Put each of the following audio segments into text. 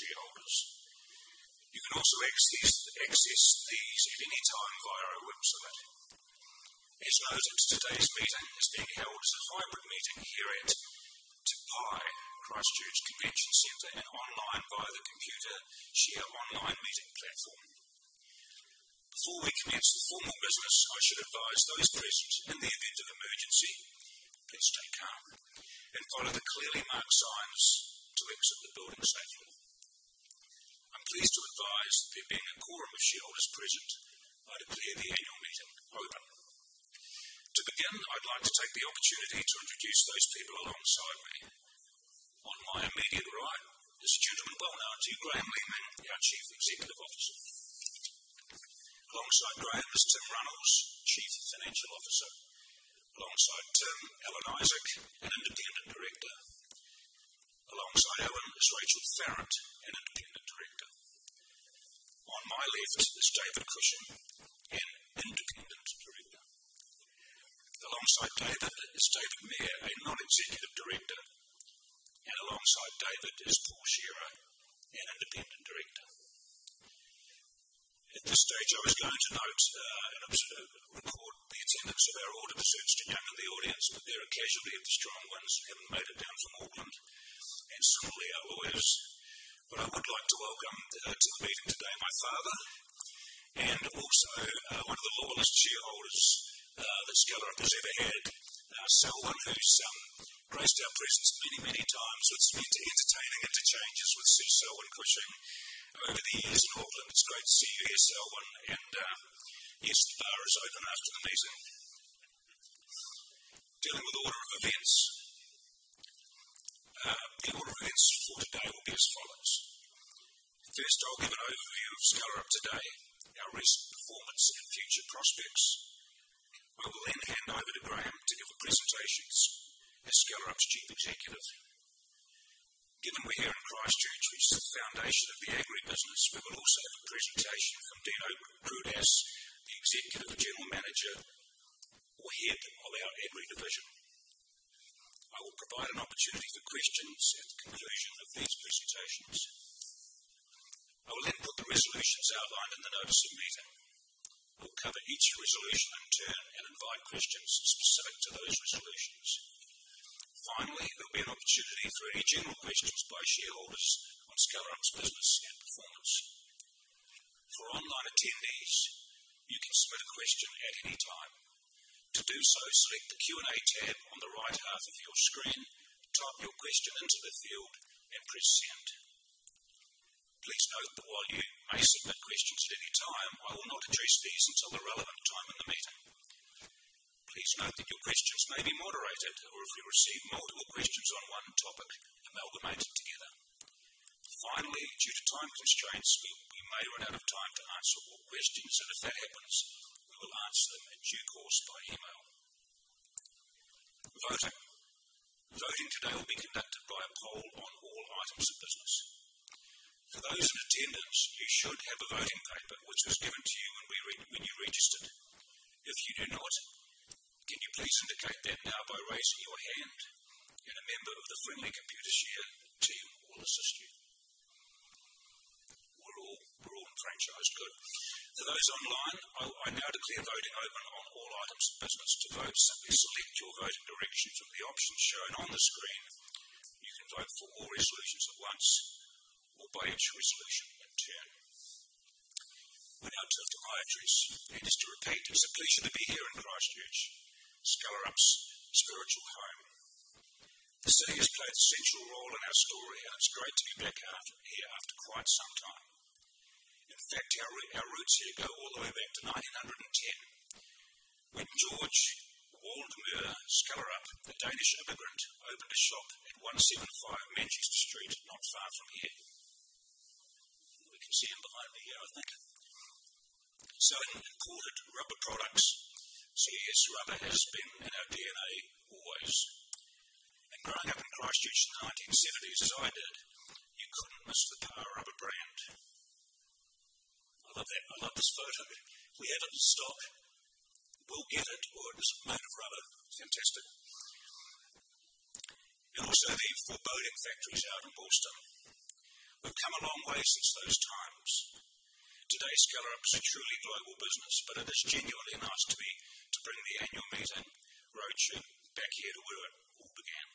Approval of shareholders. You can also access the meeting at any time via a website. As a note of today's meeting, the stakeholders have hired a meeting here at Christchurch Convention Centre, and online via the Computershare online meeting platform. Before we commence the formal business, I should advise those present in the event of emergency please stay calm and follow the clearly marked signs to exit the building. I'm pleased to advise that the remaining quorum of shareholders present, I declare the annual meeting open. To begin, I'd like to take the opportunity to introduce those people alongside me. On my immediate right is a gentleman well-known to you, Graham Leaming, our Chief Executive Officer. Alongside Graham is Tim Runnalls, Chief Financial Officer. Alongside Tim, Alan Isaac, an Independent Director. Alongside Alan is Rachel Farrant, an Independent Director. On my left, there's David Cushing, an Independent Director. Alongside David is David Mair, a Non-Executive Director. Alongside David is Paul Scherer, an Independent Director. At this stage, I was going to note and observe that the court needs to exercise audience seats to gather the audience, but there are occasionally strong ones having made it down from Auckland. Similarly, our lawyers. I would like to welcome to the meeting today my father and also one of the loyalist shareholders that Skellerup has ever had, Selwyn, who's graced our presence many, many times with some entertaining interchanges with Cecil and Cushing over the years in Auckland. It's great to see you here, Selwyn. Yes, the bar is open after the meeting. Dealing with the order of events, the order of events for today will be as follows. First, I'll give an overview of Skellerup today, our recent performance, and future prospects. We will then hand over to Graham to give a presentation as Skellerup's Chief Executive Officer. Given we're here in Christchurch, which is the foundation of the agribusiness, we will also have a presentation from Dirk Verbiesen, the Executive General Manager here on our agri division. I will provide an opportunity for questions at the conclusion of these presentations. I will then put the resolutions outlined in the notice of meeting. We'll cover each resolution in turn and invite questions specific to those resolutions. Finally, there'll be an opportunity for any general questions by shareholders on Skellerup's business and performance. For online attendees, you can submit a question at any time. To do so, select the Q&A tab on the right half of your screen, type your question into the field, and press send. Please note that while you may submit questions at any time, I will not address these until the relevant time in the meeting. Please note that your questions may be moderated or, if we receive multiple questions on one topic, amalgamated together. Finally, due to time constraints, we may run out of time to answer all questions, and if that happens, we will answer them in due course by email. Voting. Voting today will be conducted by a poll on all items of business. For those in attendance, you should have a voting paper which was given to you when you registered. If you do not, can you please indicate that now by raising your hand, and a member of the friendly Computershare team will assist you. We're all enfranchised, good. For those online, I now declare voting open on all items of business. To vote, simply select your voting direction from the options shown on the screen. You can vote for all resolutions at once or by each resolution at 10. Now to my address. Just to repeat, it's a pleasure to be here in Christchurch, Skellerup's spiritual home. The city has played a central role in our story, and it's great to be back here after quite some time. In fact, our roots here go all the way back to 1910, when George Waldmyr Skellerup, a Danish immigrant, opened a shop at 175 Manchester Street, not far from here. You can see him behind me here, I think. Selling imported rubber products, CAS Rubber has been our DNA always. Growing up in Christchurch in the 1970s, as I did, you couldn't miss the Skellerup rubber brand. I love that. I love this photo. We have it in stock. We'll get it, orders made of rubber. Fantastic. Also, the foreboding factories out in Wigram. We've come a long way since those times. Today, Skellerup's a truly global business, but it is genuinely nice to bring the annual meeting road show back here to where it all began.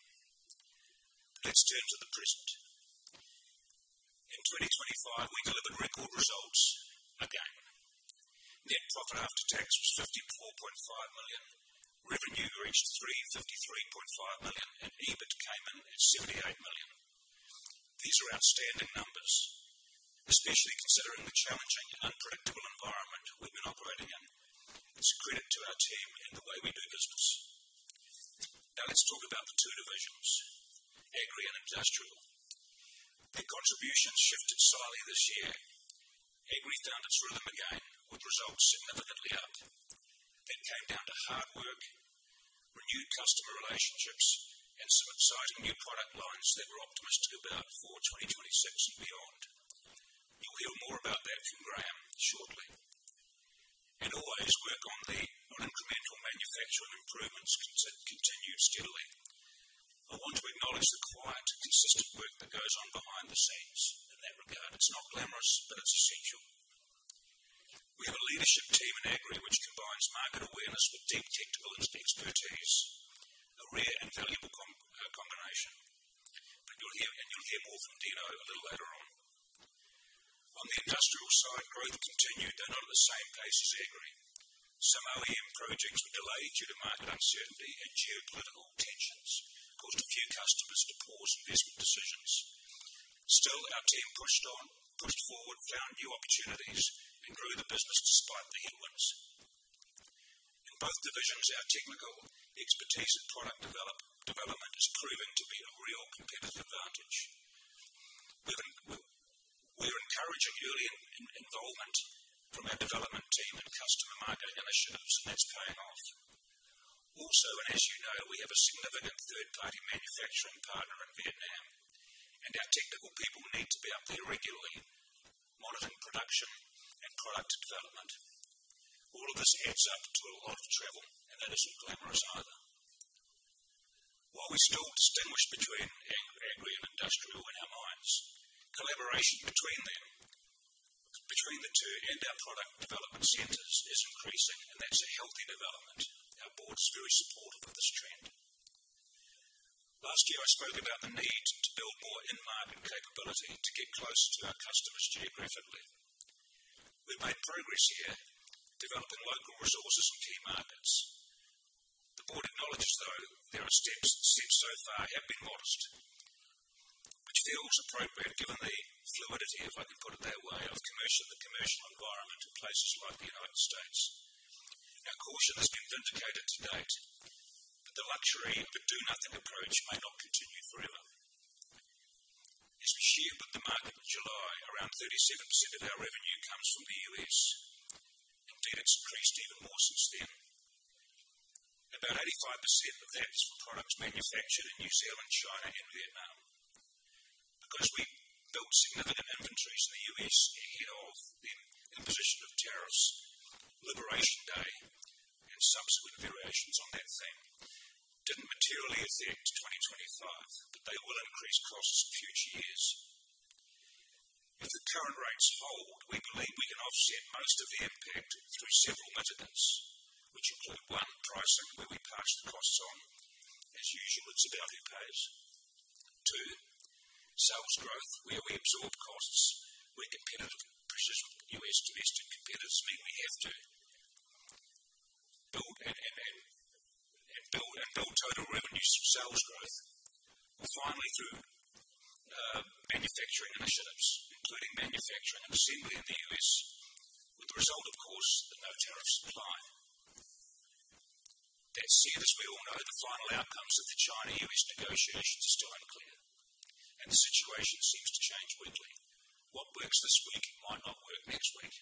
Let's turn to the present. In 2023, we delivered record results again. Net profit after tax was 54.5 million. Revenue reached 353.5 million, and EBIT came in at 78 million. These are outstanding numbers, especially considering the challenging and unpredictable environment we've been operating in. It's a credit to our team and the way we do business. Now let's talk about the two divisions, agri and industrial. Their contributions shifted slightly this year. Agri found its rhythm again with results significantly up. It came down to hard work, renewed customer relationships, and some exciting new product lines they were optimistic about for 2026 and beyond. You'll hear more about that from Graham shortly. All others' work on the unconventional manufacturing improvements continued steadily. I want to acknowledge the quiet, consistent work that goes on behind the scenes. In that regard, it's not glamorous, but it's essential. We have a leadership team in Agri which combines market awareness with deep technical expertise, a rare and valuable combination. You'll hear more from Dino a little later on. On the industrial side, growth continued at the same pace as Agri. Some OEM projects were delayed due to market uncertainty and geopolitical tensions, which caused a few customers to pause investment decisions. Still, our team pushed on, pushed forward, found new opportunities, and grew the business despite the illness. In both divisions, our technical expertise and product development is proving to be a real competitive advantage. We're encouraging early involvement from our development team in customer market initiatives, and that's paying off. Also, as you know, we have a significant third-party manufacturing partner in Vietnam, and our technical people need to be up there regularly, monitoring production and product development. All of this adds up to a lot of travel, and that isn't glamorous either. While we still distinguish between Agri and Industrial in our minds, collaboration between them, between the two, and our product development centers is increasing, and that's a healthy development. Our board's very supportive of this trend. Last year, I spoke about the need to build more in-market capability to get closer to our customers geographically. We've made progress here, developing local resources in key markets. The board acknowledges, though, that our steps so far have been modest, which feels appropriate given the fluidity, if I can put it that way, of the commercial environment in places like the U.S. Our caution has been vindicated to date, but the luxury of the do-nothing approach may not continue forever. As we shared with the market in July, around 37% of our revenue comes from the U.S. Competitors increased even more since then. About 85% of that is for products manufactured in New Zealand, China, and Vietnam. Because we built significant inventories in the U.S. in the position of tariffs, Liberation Day, and subsequent variations on that thing didn't materially affect 2025, but they will increase costs for future years. If the current rates hold, we believe we can offset most of the impact through several methods, which include: one, pricing, where we pass the costs on. As usual, it's about who pays. Two, sales growth, where we absorb costs, where competitive positions in the U.S. domestic competitors mean we have to build and build total revenues from sales growth. Finally, through manufacturing initiatives, including manufacturing and assembly in the U.S., with the result, of course, that no tariffs apply. That said, as we all know, the final outcomes of the China-U.S. negotiations are still unclear, and the situation seems to change weekly. What works this week might not work next week.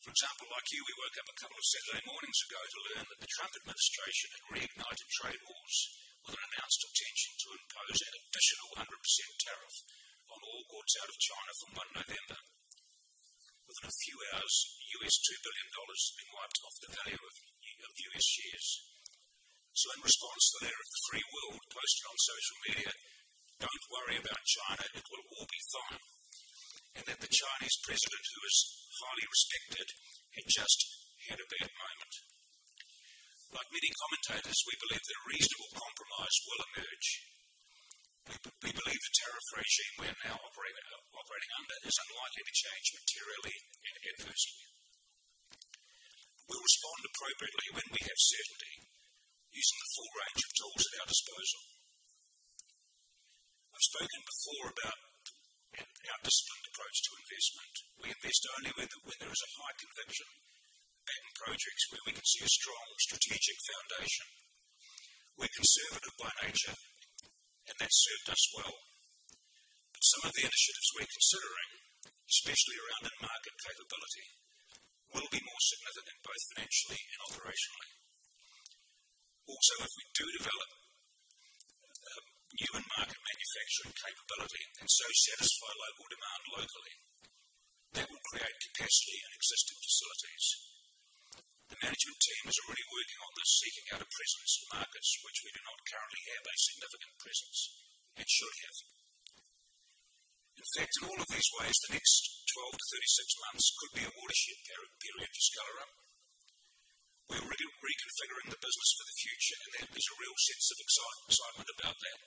For example, like here, we woke up a couple of Saturday mornings ago to learn that the Trump administration had reignited trade wars with an announced intention to impose an additional 100% tariff on all goods out of China from November 1. Within a few hours, 2 billion dollars had been wiped off the value of U.S. shares. In response to that, a free world posted on social media, "Don't worry about China. It will all be fine," and that the Chinese president, who is highly respected, had just had a bad moment. Like many commentators, we believe that a reasonable compromise will emerge. We believe the tariff regime we are now operating under is unlikely to change materially and adversely. We'll respond appropriately when we have certainty, using the full range of tools at our disposal. I've spoken before about our disciplined approach to investment. We invest only when there is a high conviction and projects where we can see a strong strategic foundation. We're conservative by nature, and that's served us well. Some of the initiatives we're considering, especially around that market capability, will be more significant both financially and operationally. Also, if we do develop new and market manufacturing capability and so satisfy local demand locally, that will create capacity in existing facilities. The management team is already working on this, seeking out a presence in markets which we do not currently have a significant presence and should have. In fact, in all of these ways, the next 12-36 months could be a watershed period for Skellerup. We're reconfiguring the business for the future, and there is a real sense of excitement about that.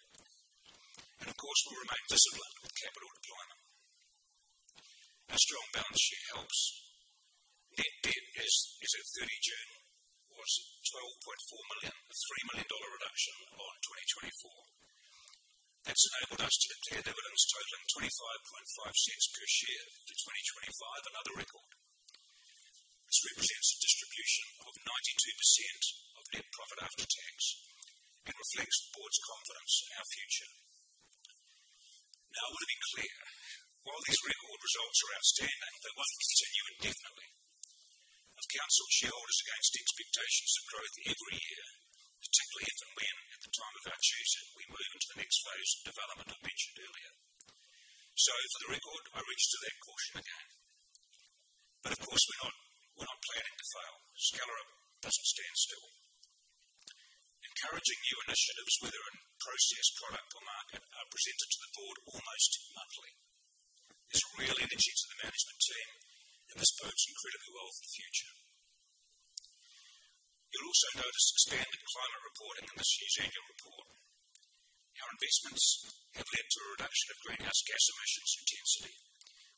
Of course, we'll remain disciplined with capital deployment. A strong balance sheet helps. Net debt is at 30,000. It was 12.4 million, a 3 million dollar reduction by 2024. That's enabled us to declare dividends totaling 0.255 per share in 2025, another record. This represents a distribution of 92% of net profit after tax and reflects the board's confidence in our future. Now, I want to be clear. While these record results are outstanding, they mustn't continue indefinitely. I've counseled shareholders against expectations of growth every year, particularly if and when at the time of our choosing, we move into the next phase of development I mentioned earlier. For the record, I reach to that caution again. Of course, we're not planning to fail. Skellerup doesn't stand still. Encouraging new initiatives, whether in process, product, or market, are presented to the board almost monthly. It's really the chief of the management team, and this bodes incredibly well for the future. You'll also notice the standard climate reporting in this year's annual report. Our investments have led to a reduction of greenhouse gas emissions intensity.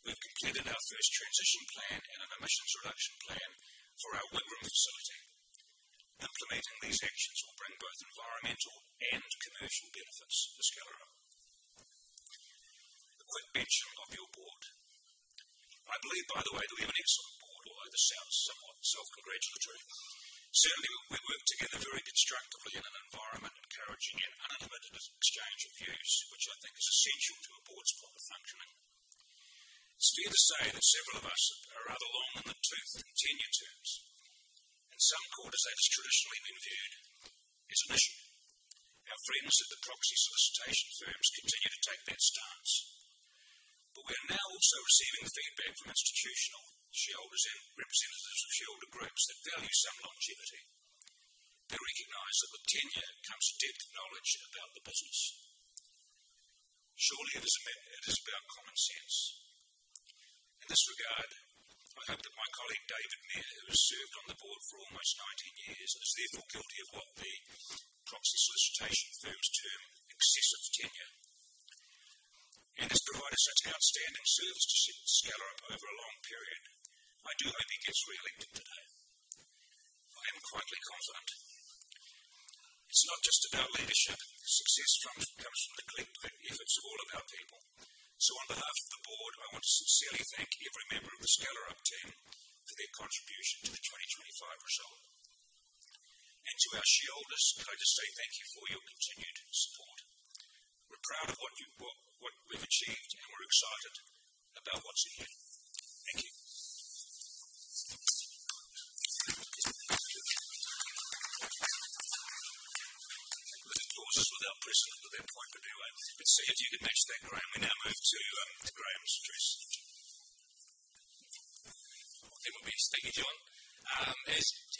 We've completed our first transition plan and an emissions reduction plan for our Wigram facility. Implementing these actions will bring both environmental and commercial benefits to Skellerup. A quick mention of your board. I believe, by the way, that we have an excellent board, although this sounds somewhat self-congratulatory. Certainly, we work together very constructively in an environment encouraging an unlimited exchange of views, which I think is essential to a board's proper functioning. It's fair to say that several of us are rather long in the tooth for continued terms. In some quarters, that has traditionally been viewed as an issue. Our friends at the proxy solicitation firms continue to take that stance. We are now also receiving feedback from institutional shareholders and representatives of shareholder groups that value some longevity. They recognize that with tenure comes depth of knowledge about the business. Surely, it is about common sense. In this regard, I hope that my colleague David Mair, who has served on the board for almost 19 years, is therefore guilty of what the proxy solicitation firms term excessive tenure. He has provided such outstanding service to Skellerup over a long period. I do hope he gets reelected today. I am quite confident. It's not just about leadership. Success comes from the people. It's all about people. On behalf of the Board, I want to sincerely thank every member of the Skellerup team for their contribution to the 2025 result. To our shareholders, I'd like to say thank you for your continued support. We're proud of what you've achieved, and we're excited about what's ahead. Thank you. Of course, without pressing onto that point, I can see that you can match that, Graham. We now move to Graham's address. Thank you, John.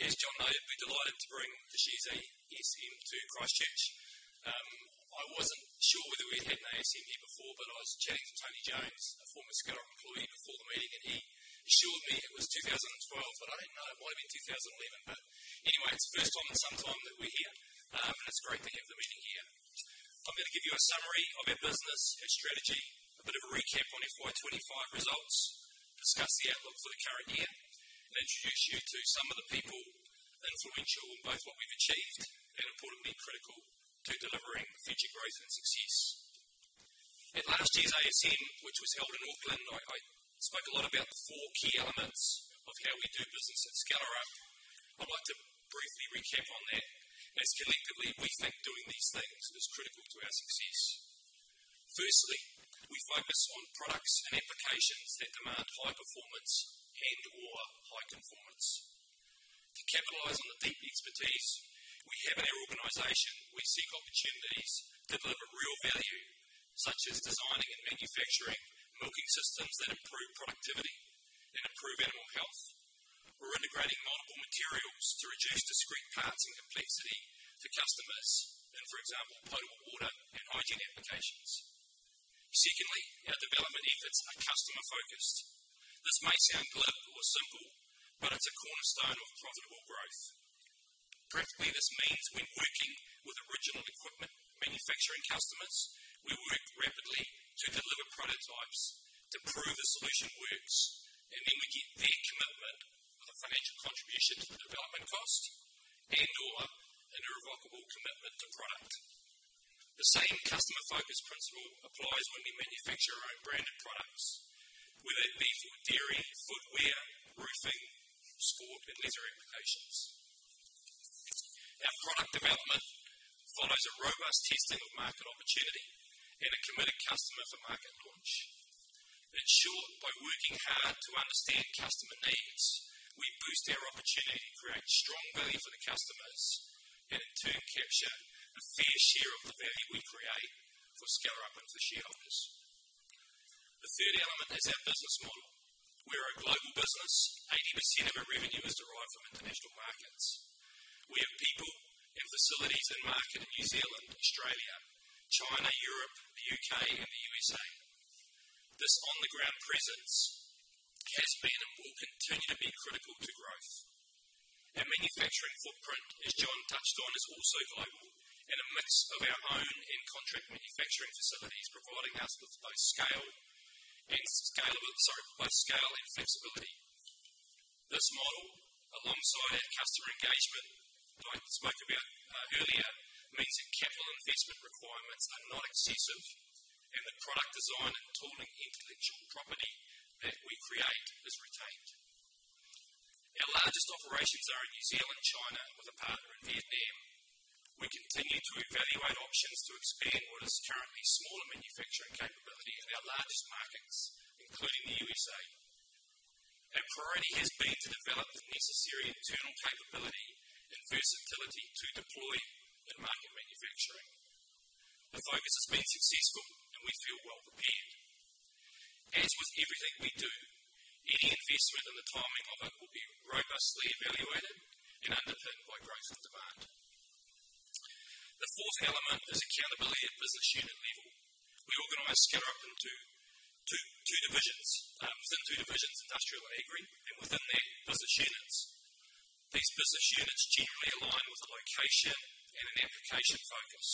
As John knows, I've been delighted to bring the GZ ECM to Christchurch. I wasn't sure whether we had an ECM here before, but I was chatting to Tony James, a former Skellerup employee, before the meeting, and he assured me it was 2012, and I didn't know. It might have been 2011. Anyway, it's the first time in some time that we're here, and it's great to have the meeting here. I'm going to give you a summary of our business and strategy, a bit of a recap on FY 2025 results, discuss the outlook for the current year, and introduce you to some of the people influential in both what we've achieved and, importantly, critical to delivering future growth and success. At last year's ASM, which was held in Auckland, I spoke a lot about the four key elements of how we do business at Skellerup. I'd like to briefly recap on that as collectively we think doing these things is critical to our success. Firstly, we focus on products and applications that demand high performance and/or high conformance. To capitalize on the deep expertise we have in our organization, we seek opportunities to deliver real value, such as designing and manufacturing milking systems that improve productivity and improve animal health. We're integrating multiple materials to reduce discrete parts and complexity for customers, for example, potable water and hygiene applications. Secondly, our development efforts are customer-focused. This may sound political or simple, but it's a cornerstone of profitable growth. Practically, this means when working with original equipment manufacturing customers, we work rapidly to deliver prototypes to prove a solution works, and then we get their commitment, the financial contribution to the development cost, and/or an irrevocable commitment to product. The same customer-focused principle applies when we manufacture our own branded products, whether it be for dairy, footwear, roofing, sport, and leisure applications. Our product development follows a robust testing of market opportunity and a committed customer for market launch. In short, by working hard to understand customer needs, we boost our opportunity, create strong value for the customers, and in turn, capture a fair share of the value we create for Skellerup and for shareholders. The third element is our business model. We're a global business. 80% of our revenue is derived from international markets. We have people and facilities in market in New Zealand, Australia, China, Europe, the U.K., and the U.S. This on-the-ground presence has been and will continue to be critical to growth. Our manufacturing footprint, as John touched on, is also global and a mix of our own and contract manufacturing facilities, providing us with both scale and flexibility. This model, alongside our customer engagement I spoke about earlier, means that capital investment requirements are not excessive and that product design and tooling into the joint property that we create is retained. Our largest operations are in New Zealand, China, with a partner in Vietnam. We continue to evaluate options to expand what is currently smaller manufacturing capability in our largest markets, including the U.S. Our priority has been to develop the necessary internal capability and versatility to deploy in market manufacturing. The focus has been successful, and we feel well prepared. As with everything we do, any investment and the timing of it will be robustly evaluated and undercut by growth and demand. The fourth element is accountability at business unit level. We organize Skellerup into two divisions, within two divisions, industrial and agri, and within their business units. These business units generally align with a location and an application focus.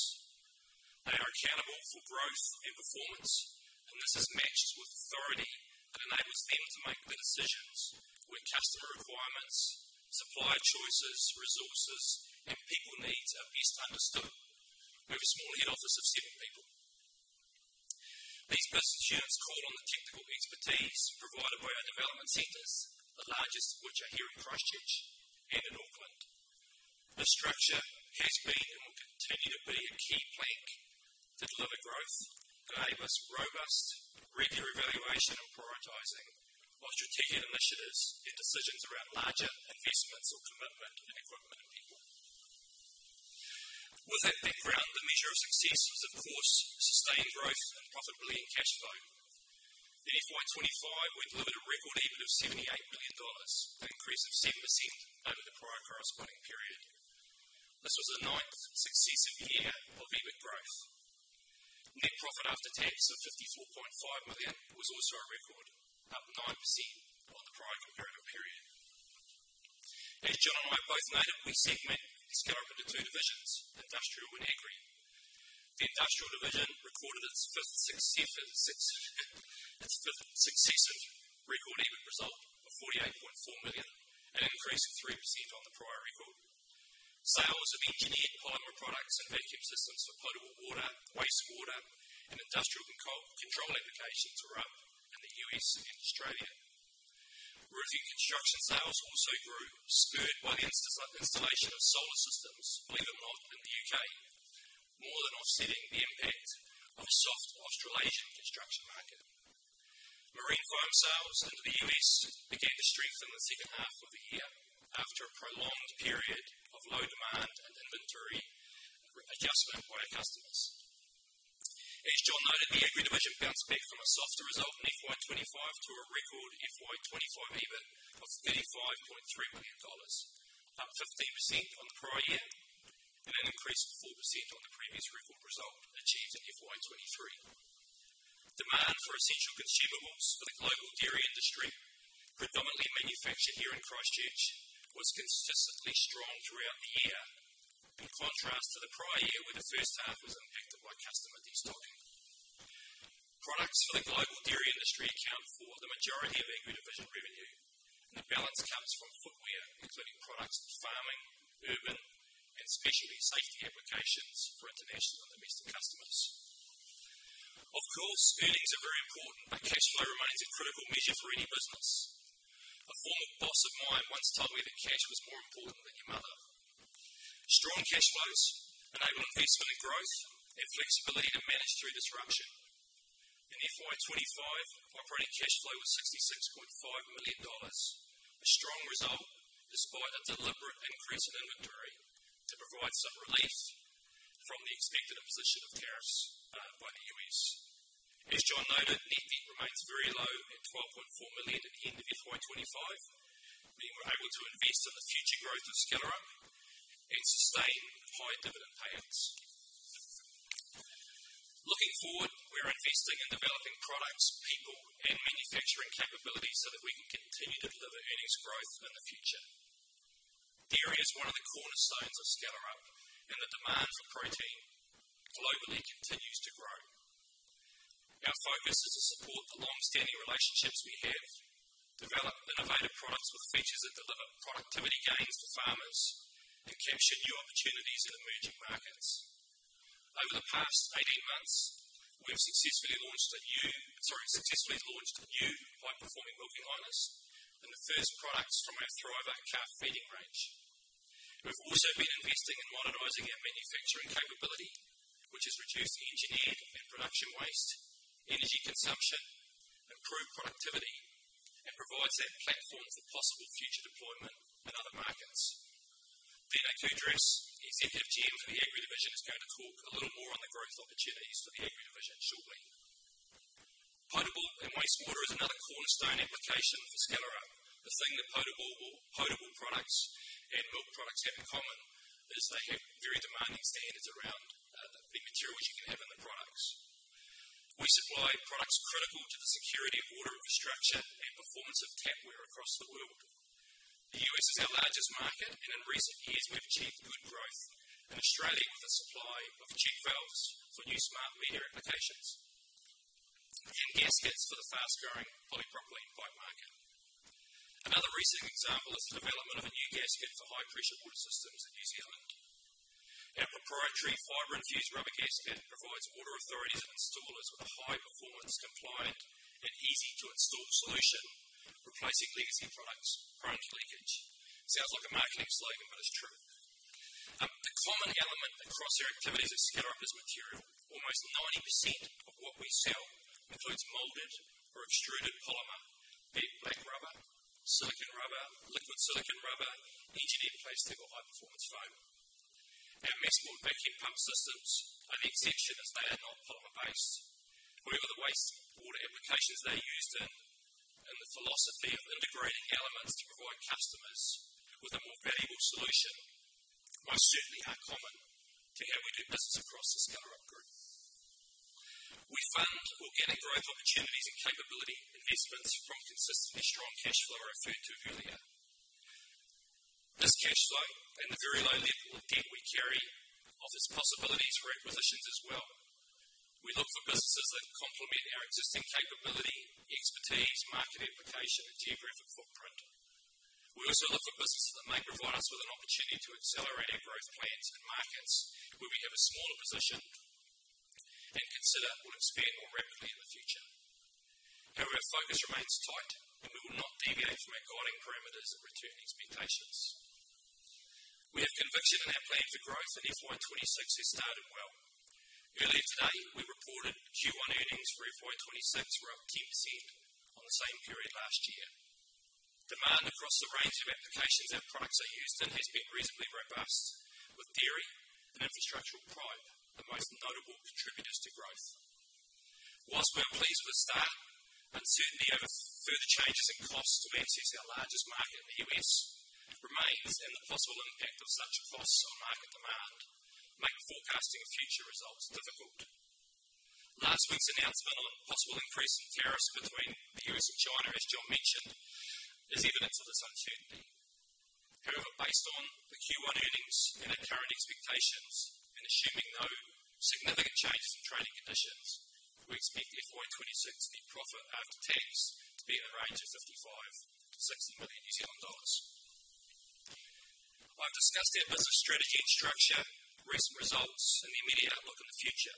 They are accountable for growth and performance, and this is matched with authority that enables them to make the decisions when customer requirements, supplier choices, resources, and people needs are best understood. We have a small head office of seven people. These business units call on the technical expertise provided by our development centers, the largest of which are here in Christchurch and in Auckland. This structure has been and will continue to be a key plank to deliver growth, to enable us with robust regular evaluation and prioritizing our strategic initiatives and decisions around larger investments or commitment to equipment. With that background, the measure of success was, of course, sustained growth and profitability and cash flow. In FY 2025, we delivered a record EBIT of 78 million dollars, an increase of 7% over the prior corresponding period. This was the ninth successive year of EBIT growth. Net profit after tax of 54.5 million was also a record, up 9% over the prior comparable period. As John and I both noted, we segmented Skellerup into two divisions, industrial and agri. The industrial division recorded its first successive record EBIT result of 48.4 million, an increase of 3% on the prior record. Sales of engineered polymer products and medkit systems for potable water, wastewater, and industrial control applications were up in the U.S. and Australia. Roofing construction sales also grew, spurred by the installation of solar systems, believe it or not, in the U.K., more than offsetting the impact of a soft Australasian construction market. Marine foam sales into the U.S. began to strengthen in the second half of the year after a prolonged period of low demand and inventory adjustment by our customers. As John noted, the agri division bounced back from a softer result in FY 2024 to a record FY 2025 EBIT of NZD 75.3 million, up 50% on the prior year and an increase of 4% on the previous record result achieved in FY 2023. Demand for essential consumables for the global dairy industry, predominantly manufactured here in Christchurch, was consistently strong throughout the year, in contrast to the prior year where the first half was impacted by customer destocking. Products for the global dairy industry account for the majority of agri division revenue, and the balance comes from footwear, including products for farming, urban, and specialty safety applications for international and domestic customers. Of course, earnings are very important, and cash flow remains a critical measure for any business. A former boss of mine once told me that cash was more important than your mother. Strong cash flows enable investment and growth and flexibility to manage through disruption. In FY 2025, operating cash flow was 66.5 million dollars, a strong result despite a deliberate increase in inventory to provide some relief from the expected imposition of tariffs by the U.S. As John noted, net debt remains very low at 12.4 million at the end of FY 2025, but we were able to invest in the future growth of Skellerup and sustain high dividend payouts. Looking forward, we're investing in developing products, people, and manufacturing capabilities so that we can continue to deliver earnings growth in the future. Dairy is one of the cornerstones of Skellerup, and the demand for protein globally continues to grow. Our focus is to support the long-standing relationships we have, develop innovative products with features that deliver productivity gains for farmers, and capture new opportunities in emerging markets. Over the past 18 months, we've successfully launched a new high-performing milking liners and the first products from our throwback calf feeding range. We've also been investing in modernizing our manufacturing capability, which has reduced engineered and production waste, energy consumption, improved productivity, and provides that platform for possible future deployment in other markets. Dino Drgas, Executive General Manager for the Agri Division, is going to talk a little more on the growth opportunities for the Agri Division shortly. Potable and wastewater is another cornerstone application for Skellerup. The thing that potable products and milk products have in common is they have very demanding standards around the materials you can have in the products. We supply products critical to the security of water infrastructure and performance of tap water across the world. The U.S. is our largest market, and in recent years, we've achieved good growth in Australia with a supply of jet valves for new smart meter applications and gaskets for the fast-growing polypropylene biomarker. Another recent example is the development of a new gasket for high-pressure water systems in New Zealand. Our proprietary fiber-infused rubber gasket provides water authorities and installers with a high-performance, compliant, and easy-to-install solution, replacing legacy products' chronic leakage. Sounds like a marketing slogan, but it's true. A common element across our activities at Skellerup is material. Almost 90% of what we sell includes molded or extruded polymer: black rubber, silicon rubber, liquid silicon rubber, and engineered plastic or high-performance foam. Our messable vacuum pump systems are the exception as they are not polymer based. Where are the wastewater applications they're used in? And the philosophy of integrating elements to provide customers with a more valuable solution most certainly are common to how we do business across the Skellerup group. We fund organic growth opportunities and capability investments from consistently strong cash flow I referred to earlier. This cash flow and the very low level of debt we carry offers possibilities for acquisitions as well. We look for businesses that complement our existing capability, expertise, market application, and geographic footprint. We also look for businesses that may provide us with an opportunity to accelerate our growth plans in markets where we have a smaller position and consider or expand more rapidly in the future. However, focus remains tight, and we will not deviate from our guiding parameters of return expectations. We have conviction in our plan for growth, and FY 2026 has started well. Earlier today, we reported Q1 earnings for FY 2026 were up 10% on the same period last year. Demand across the range of applications our products are used in has been reasonably robust, with dairy and infrastructural products the most notable contributors to growth. Whilst we're pleased with the start, uncertainty over further changes in costs to manufacture our largest market in the U.S. remains, and the possible impact of such costs on market demand make forecasting future results difficult. Last week's announcement on the possible increase in tariffs between the U.S. and China, as John mentioned, is evidence of such an end. However, based on the Q1 earnings and our current expectations and assuming no significant changes in trading conditions, we expect FY 2026 net profit after tax to be in the range of 55 million-60 million New Zealand dollars. I've discussed our business strategy and structure, recent results, and the immediate outlook in the future.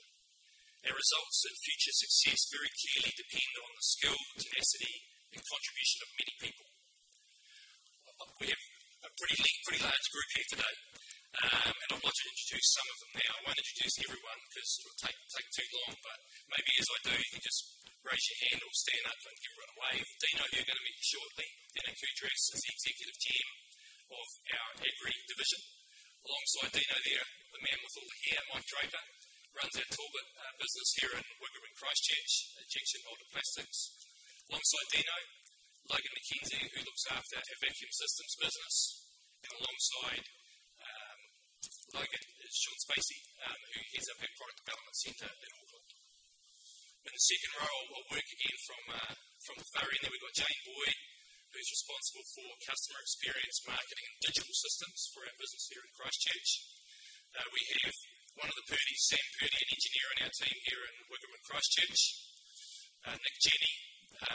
Our results and future success very clearly depend on the skill, tenacity, and contribution of many people. We have a pretty large group here today, and I'd like to introduce some of them now. I won't introduce everyone because it would take too long, but maybe as I do, you can just raise your hand or stand up and give a wave. Dino, they're going to meet you shortly. Dino Drgas is the Executive General Manager of our Agri Division. Alongside Dino there, the man with—here, Mike Draper runs our tool business here in Wigram, Christchurch, Jensen Holder Plastics. Alongside Dino, Logan McKenzie, who looks after our vacuum systems business. And alongside Logan is Sean Spacy, who heads up our product development center at Auckland. In the second row, I'll work again from the far end. We've got Jane Boyd, who's responsible for customer experience, marketing, and digital systems for our business here in Christchurch. We have one of the pertinent engineers in our team here in Wigram, Christchurch, Nick Jenny,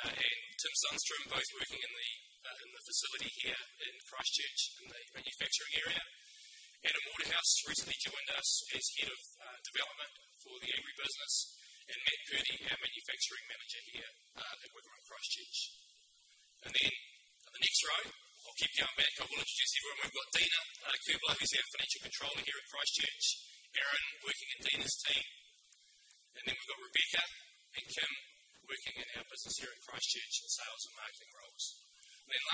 and Tim Sundstrom, both working in the facility here in Christchurch in the manufacturing area. Anna Waterhouse recently joined us as Head of Development for the agri business and Matt Purdy, our Manufacturing Manager here at Wigram, Christchurch. In the next row, I'll keep going back. I will introduce everyone. We've got Dina Khulbe, who's our Financial Controller here at Christchurch, Aaron working in Dina's team. We've got Rebecca and Kim working in our business here at Christchurch in Sales and Marketing roles.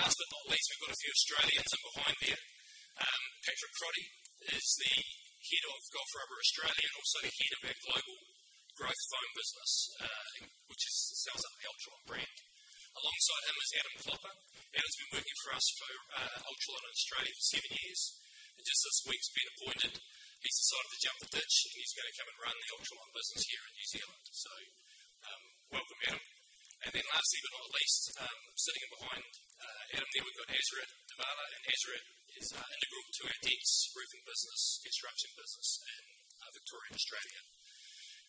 Last but not least, we've got a few Australians in behind there. Patrick Croddy is the Head of Gulf Rubber Australia and also the Head of our global growth foam business, which sells under the Ultra One brand. Alongside him is Adam Clopper. Adam's been working for us for Ultra One Australia for seven years. Just this week, he's been appointed. He's decided to jump the ditch, and he's going to come and run the Ultra One business here in New Zealand. Welcome Adam. Lastly but not least, sitting in behind Adam there, we've got Azriyat Dibala. Azriyat is integral to our Dents Roofing business, construction business in Victoria and Australia.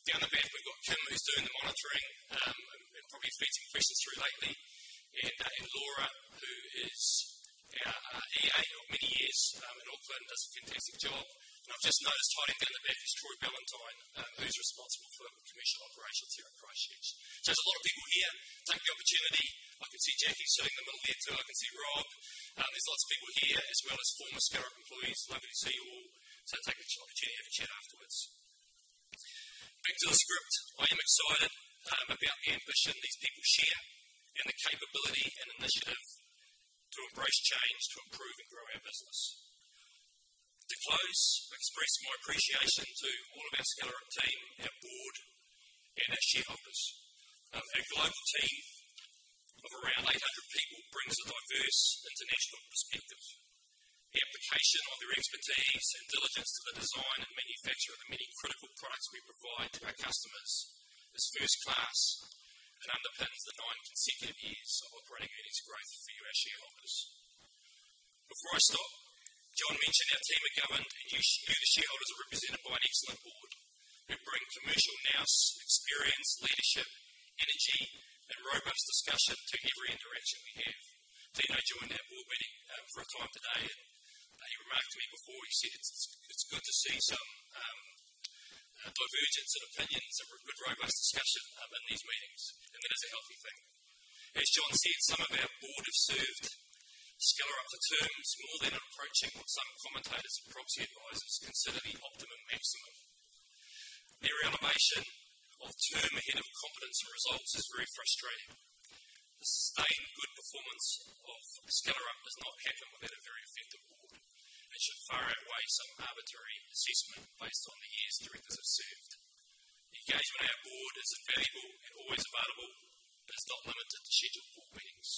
Down the back, we've got Kim, who's doing the monitoring and probably is feeding questions through lately. Laura, who is our EA of many years in Auckland, does a fantastic job. I've just noticed hiding down the back is Troy Valentine, who's responsible for the commercial operations here at Christchurch. There's a lot of people here. Take the opportunity. I can see Jackie sitting in the middle there, too. I can see Rob. There's lots of people here as well as former Skellerup employees. Lovely to see you all. Take the opportunity to have a chat afterwards. Back to the script. I am excited about the ambition these people share and the capability and initiative to embrace change, to improve and grow our business. To close, I express my appreciation to all of our Skellerup team, our board, and our shareholders. Our global team of around 800 people brings a diverse international perspective. The application of their expertise and diligence to the design and manufacture of the many critical products we provide to our customers is first-class and underpins the nine consecutive years of operating EBIT growth for you, our shareholders. Before I stop, John mentioned our team at Government, and you the shareholders are represented by an excellent board who bring commercial know-how, experience, leadership, energy, and robust discussion to every interaction we have. Dino Drgas joined our board meeting for a time today, and he remarked to me before, he said it's good to see some divergence in opinions and a robust discussion in these meetings, and that is a healthy thing. As John said, some of our board have served Skellerup for terms more than approaching what some commentators and proxy advisors consider the optimum maximum. Their animation of term ahead of competence for results is very frustrating. The sustained good performance of Skellerup does not happen without a very effective board and should far outweigh some arbitrary assessment based on the years directors have served. Engagement in our board is invaluable and always available, but it's not limited to scheduled board meetings.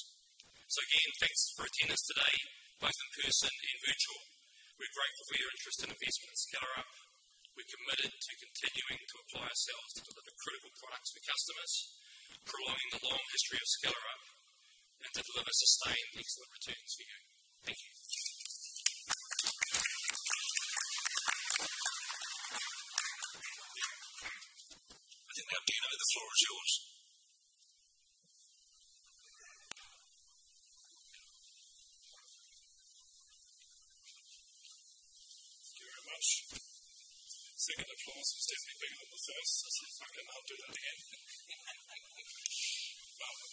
Again, thanks for attendance today, both in person and virtual. We're grateful for your interest in investment in Skellerup. We're committed to continuing to apply ourselves to deliver critical products for customers, promoting the long history of Skellerup, and to deliver sustained excellent returns for you. Thank you. I think that'll be it, the floor is yours. Thank you very much. Second applause for Stephanie Beardham, the first. So Stephanie, I'll do that again. Welcome.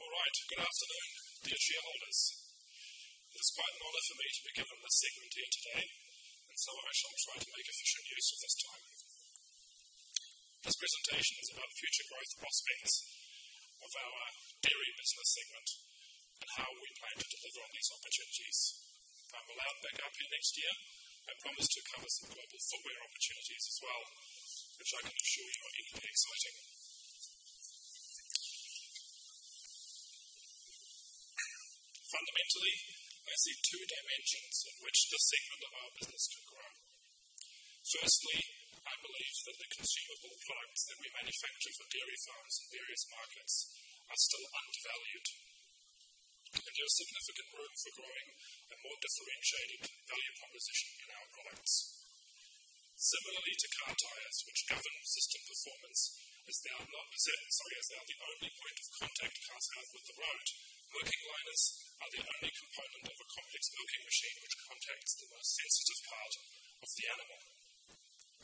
All right. Good afternoon, dear shareholders. It is quite an honor for me to be given this segment here today, and so I shall try to make efficient use of this time. This presentation is about future growth prospects of our dairy business segment and how we plan to deliver on these opportunities. If I'm allowed back up here next year, I promise to cover some global footwear opportunities as well, which I can assure you are equally exciting. Fundamentally, I see two dimensions in which the segment of our business can grow. Firstly, I believe that the consumable products that we manufacture for various sizes and various markets are still undervalued, and there's significant room for growing a more differentiated value proposition in our products. Similarly to car tires, which govern system performance as though the only point of contact cars have with the road, milking liners are the only component of a complex milking machine which contacts the most sensitive part of the animal.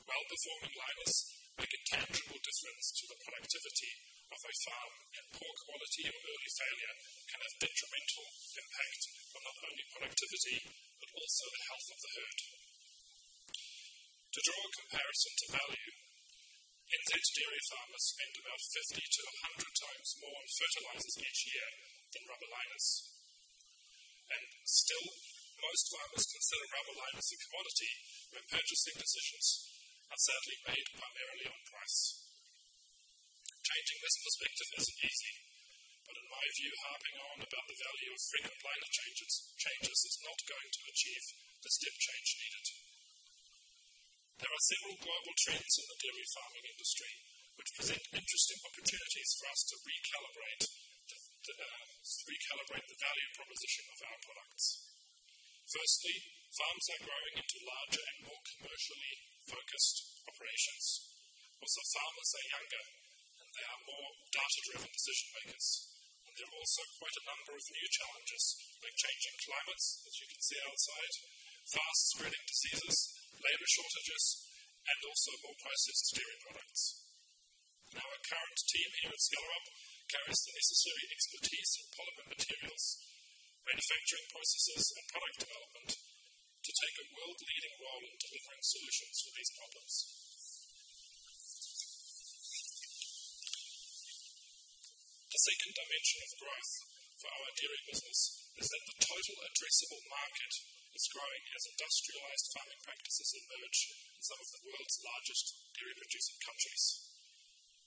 Well-performing liners make a tangible difference to the productivity of a farm, and poor quality or early failure can have detrimental impact on not only productivity but also the health of the herd. To draw a comparison to value, index, dairy farmers spend about 50-100 times more on fertilizers each year than rubber liners. Still, most farmers consider rubber liners a commodity when purchasing decisions and certainly weighed primarily on price. Changing this perspective isn't easy, but in my view, harping on about the value of frequent line changes is not going to achieve the step change needed. There are several global trends in the dairy farming industry which present interesting opportunities for us to recalibrate the value proposition of our products. Firstly, farms are growing into larger and more commercially focused operations. Also, farmers are younger, and they are more data-driven decision-makers. There are also quite a number of new challenges, like changing climates that you can see outside, fast spreading diseases, labor shortages, and also more processes during products. Our current team here at Skellerup carries the necessary expertise in polymer materials, manufacturing processes, and product development to take a world-leading role in delivering solutions for these problems. The second dimension of growth for our dairy business is that the total addressable market is growing as industrialized farming practices emerge in some of the world's largest dairy-producing countries.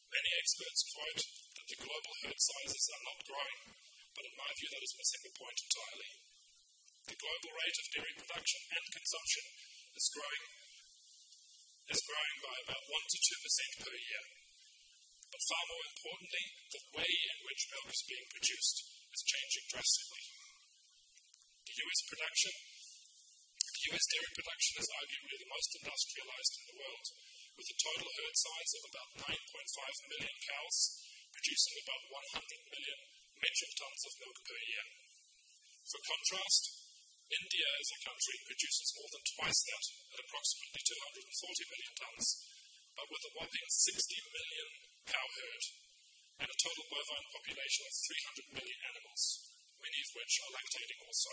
Many experts point that the global herd sizes are not growing, but in my view, that is a second point entirely. The global rate of dairy production and consumption is growing. It's growing by about 1%-2% per year. Far more importantly, the way in which milk is being produced is changing drastically. The U.S. dairy production is arguably the most industrialized in the world, with a total herd size of about 9.5 million cows, producing about 100 million metric tons of milk per year. For contrast, India is a country that produces more than twice that at approximately 240 million tons with a whopping 60 million cow herd and a total bovine population of 300 million animals, many of which are lactating also.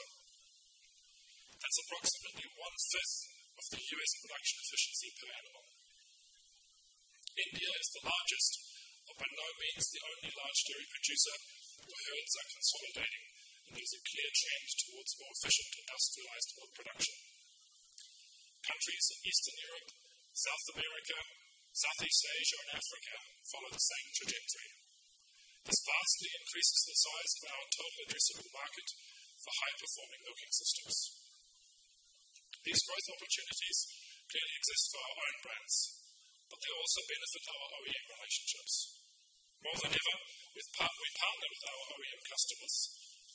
That's approximately one-fifth of the U.S. production efficiency per animal. India is the largest, but by no means the only large dairy producer who owns and consolidating, and there's a clear trend towards more efficient industrialized milk production. Countries in Eastern Europe, South America, Southeast Asia, and Africa follow the same trajectory. This vastly increases the size of our total addressable market for high-performing milking systems. These growth opportunities clearly exist for our own brands, but they also benefit our OEM relationships. More than ever, we partner with our OEM customers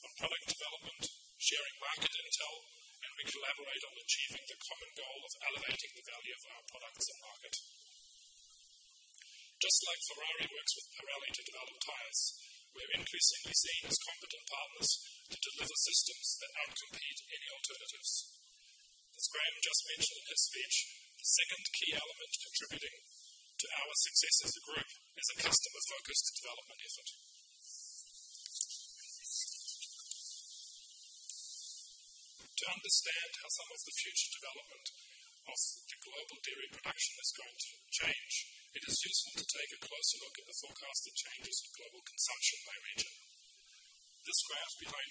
on product development, sharing market intel, and we collaborate on achieving the common goal of elevating the value of our products and market. Just like Ferrari works with Pirelli to develop tires, we're increasingly seen as competent partners to deliver systems that outcompete any alternatives. As Graham just mentioned in his speech, the second key element contributing to our success as a group is a customer-focused development effort. To understand how some of the future development of the global dairy production is going to change, it is useful to take a closer look at the forecasted changes to global consumption by region. This graph behind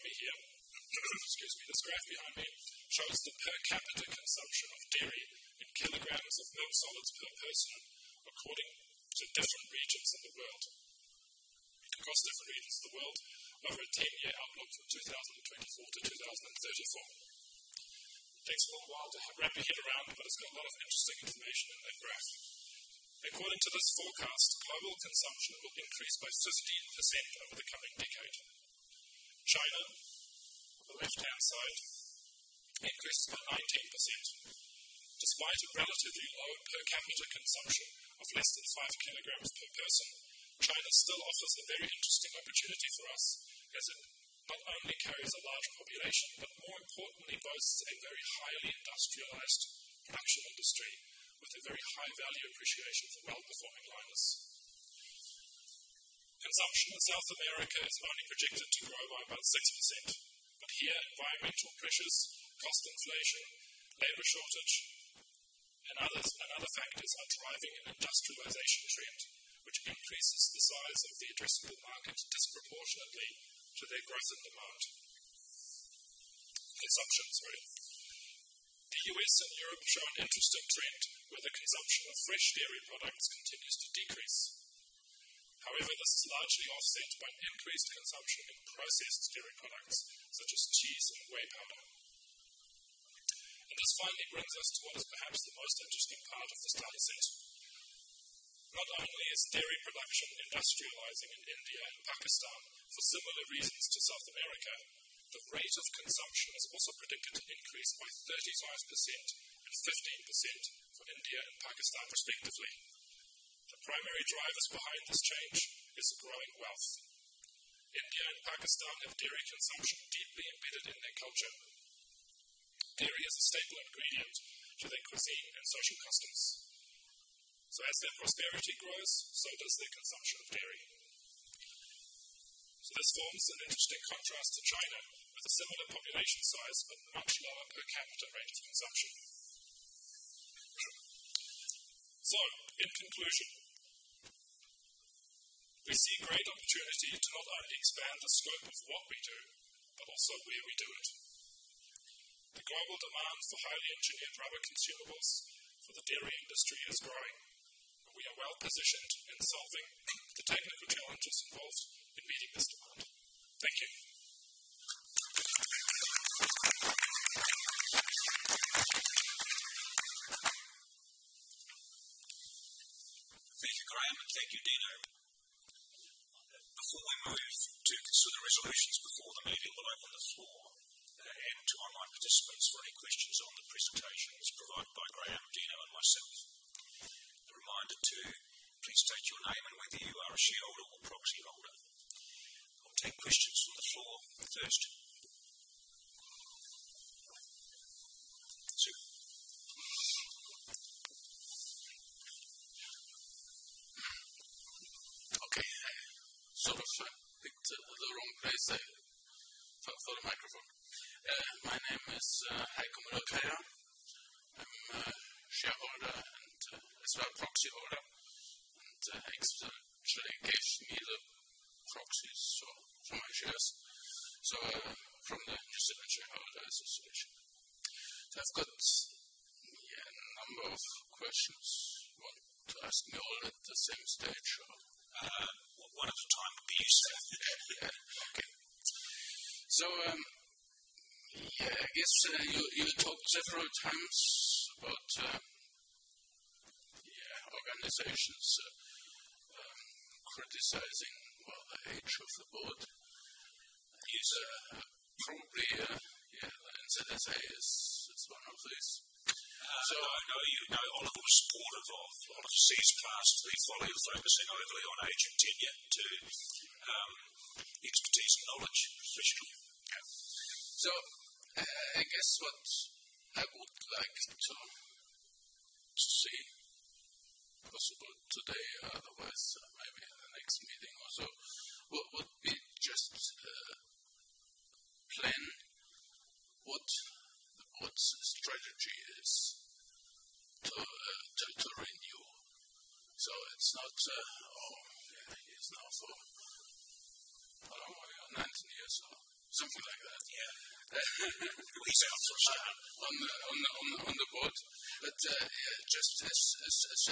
me shows the per capita consumption of dairy in kilograms of milk solids per person according to different regions in the world. Across different regions of the world, over a 10-year outlook from 2024 to 2034. Takes a little while to wrap your head around, but it's got a lot of interesting information in that graph. According to this forecast, global consumption will increase by 15% over the coming decade. China, on the left-hand side, increases by 19%. Despite a relatively low per capita consumption of less than 5 kg per person, China still offers a very interesting opportunity for us as it not only carries a large population, but more importantly, boasts a very highly industrialized production industry with a very high value appreciation for well-performing liners. Consumption in South America is only projected to grow by 1% but here, environmental pressures, cost inflation, labor shortage, and other factors are driving an industrialization trend which increases the size of the addressable market disproportionately to their growth in demand. The U.S. and Europe show an interesting trend where the consumption of fresh dairy products continues to decrease. However, this is largely offset by an increased consumption of processed dairy products such as cheese and whey powder. This finally brings us towards perhaps the most interesting part of this dataset. Not only is dairy production industrializing in India and Pakistan for similar reasons to South America, the rate of consumption is also predicted to increase by 35% and 15% for India and Pakistan, respectively. The primary drivers behind this change are growing wealth. India and Pakistan have dairy consumption deeply embedded in their culture. Dairy is a staple ingredient to their cuisine and social customs. As their prosperity grows, so does their consumption of dairy. This forms an interesting contrast to China with a similar population size but much lower per capita range consumption. In conclusion, we see great opportunity to not only expand the scope of what we do, but also where we do it. The global demand for highly engineered rubber consumables for the dairy industry is growing, and we are well positioned in solving the technical challenges involved in meeting this demand. Thank you. I guess what I would like to see possible today, otherwise maybe in the next meeting or so, what would be just the plan, what strategy is to renew. It's not, oh, yeah, he's now for, I don't know, 19 years or something like that. Yeah, please help us out. On the board, just as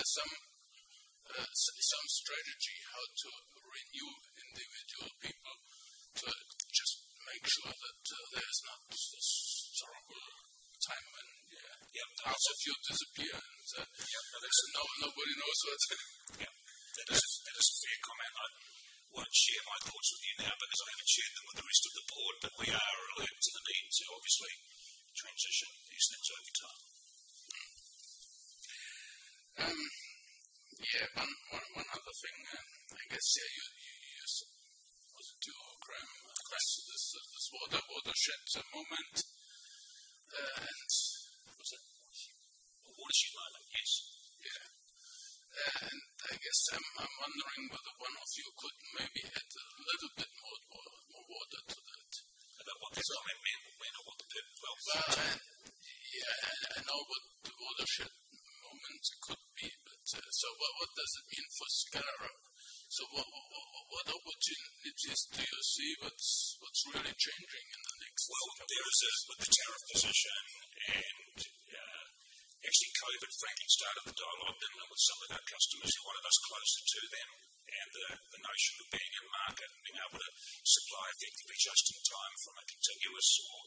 some strategy how to renew individual people to just make sure that there's not this terrible time when the entire few disappear and there's no one who knows. This is a big comment. I don't know what she and my thoughts would be there, but it's very much in with the rest of the board that we are related to the meeting, so obviously transition is a total. Yeah, one other thing, I guess, you used to do, Graham, this watershed moment. Was it? I guess I'm wondering whether one of you could maybe add a little bit more water to that. What is going to be the winner of the 12th round? I know what the watershed moment could be, but what does it mean for Skellerup? What opportunities do you see? What's really changing in the next 12? Dealers with the Chair of position and actually kind of a Frankenstein of the dialogue, then they would sell it out to customers who are the most closer to them. The notion of being in the market and being able to supply things just in time from a continuous or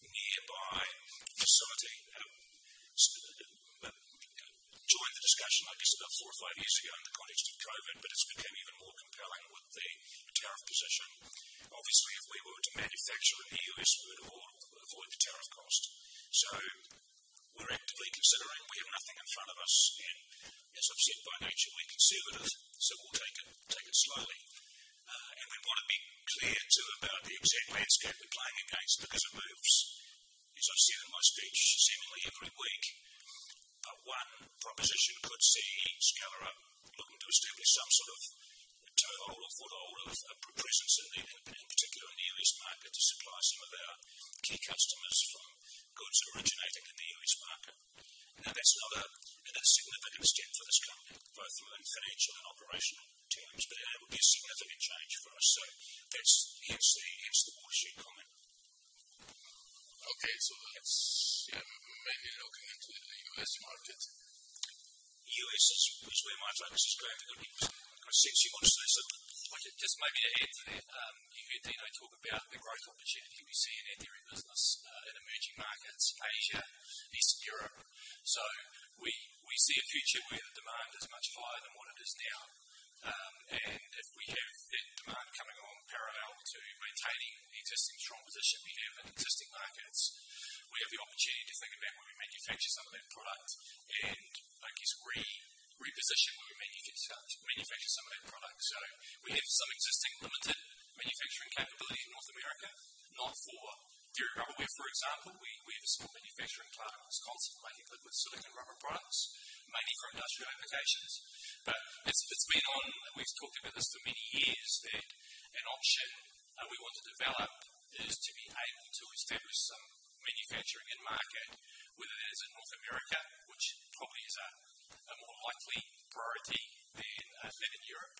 nearby facility. During the discussion, like I said, about four or five years ago in the context of COVID, it's become even more compelling with the tariff position. Obviously, if we were to manufacture in the U.S., we would all avoid the tariff cost. We're actively considering, we have nothing in front of us, and it's obviously by nature we're conservative, so we'll take it slightly. We want to be clear too about the exact landscape we're playing against because it moves. As I've said in my speech, seemingly every week, one proposition could see Skellerup looking to establish some sort of a tool or foothold of a presence in particular in the U.S. market to supply some of our key customers from goods originating in the U.S. market. Now, that's not a significant step for this company, both in financial and operational terms, but it will be a significant change for us. That's hence the watershed comment. Okay. Let's maybe look at the U.S. market. U.S. is where my focus is going for the meeting. I see you want to say something. Just maybe ahead for that. You heard Dino Drgas talk about the growth opportunity we see in dairy business in emerging markets, Asia, Eastern Europe. We see a future where the demand is much higher than what it is now. If we have that demand coming along parallel to retaining the existing strong position we have in existing markets, we have the opportunity to think about where we manufacture some of that product and, I guess, reposition where we manufacture some of that product. We have some existing limited manufacturing capability in North America, not for dairy rubber. For example, we have a small manufacturing plant that's concentrating liquid silicon rubber products, mainly for industrial applications. As it's been on, and we've talked about this for many years, an option we want to develop is to be able to establish some manufacturing in market, whether that is in North America, which probably is a more likely priority than that in Europe.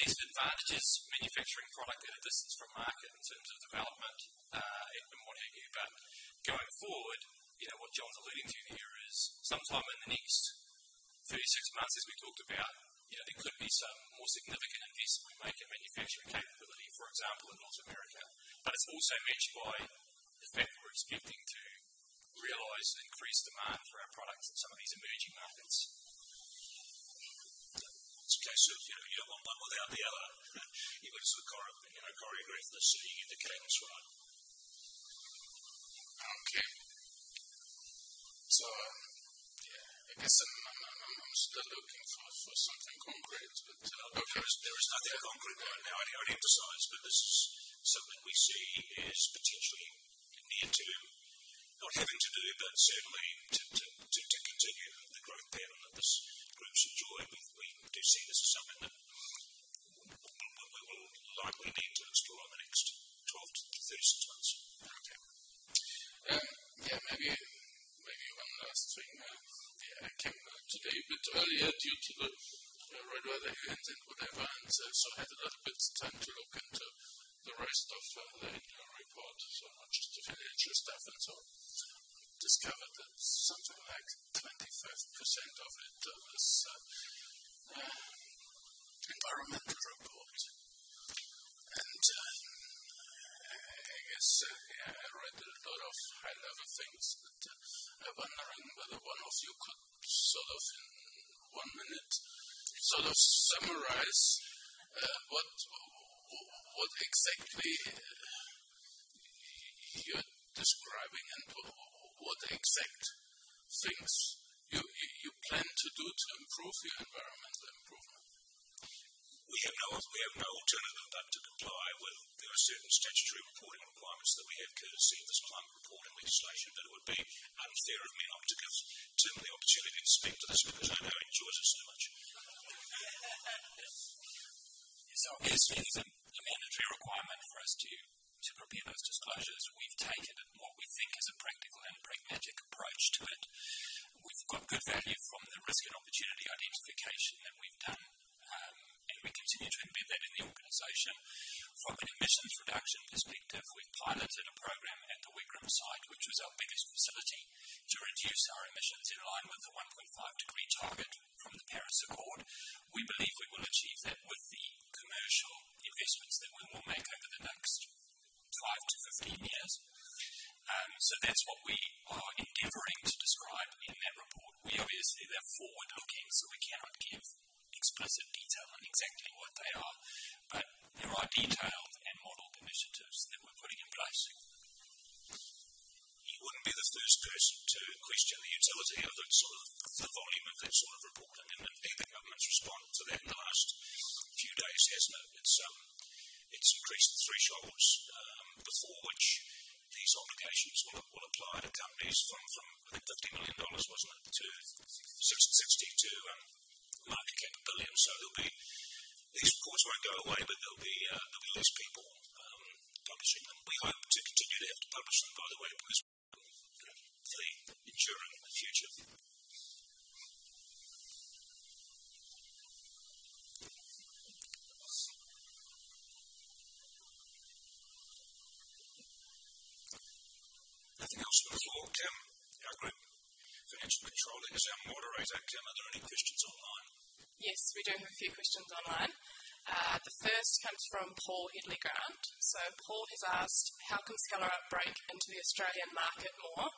This advantageous manufacturing product at a distance from market in terms of development. Thinking about going forward, what John's alluding to here is sometime in the next three to six months, as we talked about, there could be some more significant investment we make in manufacturing capability, for example, in North America. It's also meant by the fact we're expecting to realize increased demand for our products in some of these emerging markets. You're not one without the other. It was the choreographers seeing it in the chaos, right? I guess I'm still looking for something concrete, but there is nothing concrete right now. I don't emphasize, but this is something we see as potentially needed to not having to do, but certainly to continue the growth pattern that this group's enjoying. We see this as something that we will likely need to explore in the next 12-36 months. Yeah. Maybe one last thing. I came out today a bit earlier due to the rain weather here in the cooler months, so I had a little bit of time to look into the rest of the report. Not just the financial stuff, and I discovered that something like 25% of it was environmental report. I guess I read a lot of high-level things, but I'm wondering whether one of you could sort of in one minute summarize what exactly you're describing and what exact things you plan to do to improve your environmental improvement. Yeah. We have no tool to deploy. There are certain statutory reporting requirements that we have to see, this plant reporting legislation that would be out there. I mean, I'll take a timely opportunity to speak to this. I know I enjoyed this too much. It's been a mandatory requirement for us to prepare those disclosures. We've taken what we think is a practical and pragmatic approach to it. We've got good value from the risk and opportunity identification that we've done, and we continue to embed that in the organization. From an emissions reduction perspective, we've piloted a program at the Wigram site, which is our biggest facility, to reduce our emissions in line with the 1.5 degree target from the Paris Accord. We believe we will achieve that with the commercial investments that we will make over the next 5-15 years. That's what we are endeavoring to describe in that report. We obviously see them forward-looking, so we cannot give explicit detail on exactly what they are, but there are details and model initiatives that we're putting in place. He wouldn't be the first person to question the utility of the sort of the volume of that sort of reporting. I think the government's responded to that in the last few days, as noted. It's increased the thresholds before which these obligations will apply. The numbers went from, I think, 50 million dollars, wasn't it, to 60 million to market capability. These reports won't go away, but there'll be less people publishing them. We hope to continue to have to publish them, by the way, to less people for ensuring the future. Nothing else from the floor, Kim. Government Financial Controlling is our moderator. Kim, are there any questions online? Yes, we do have a few questions online. The first comes from Paul Inley Grant. Paul has asked, "How can Skellerup break into the Australian market more?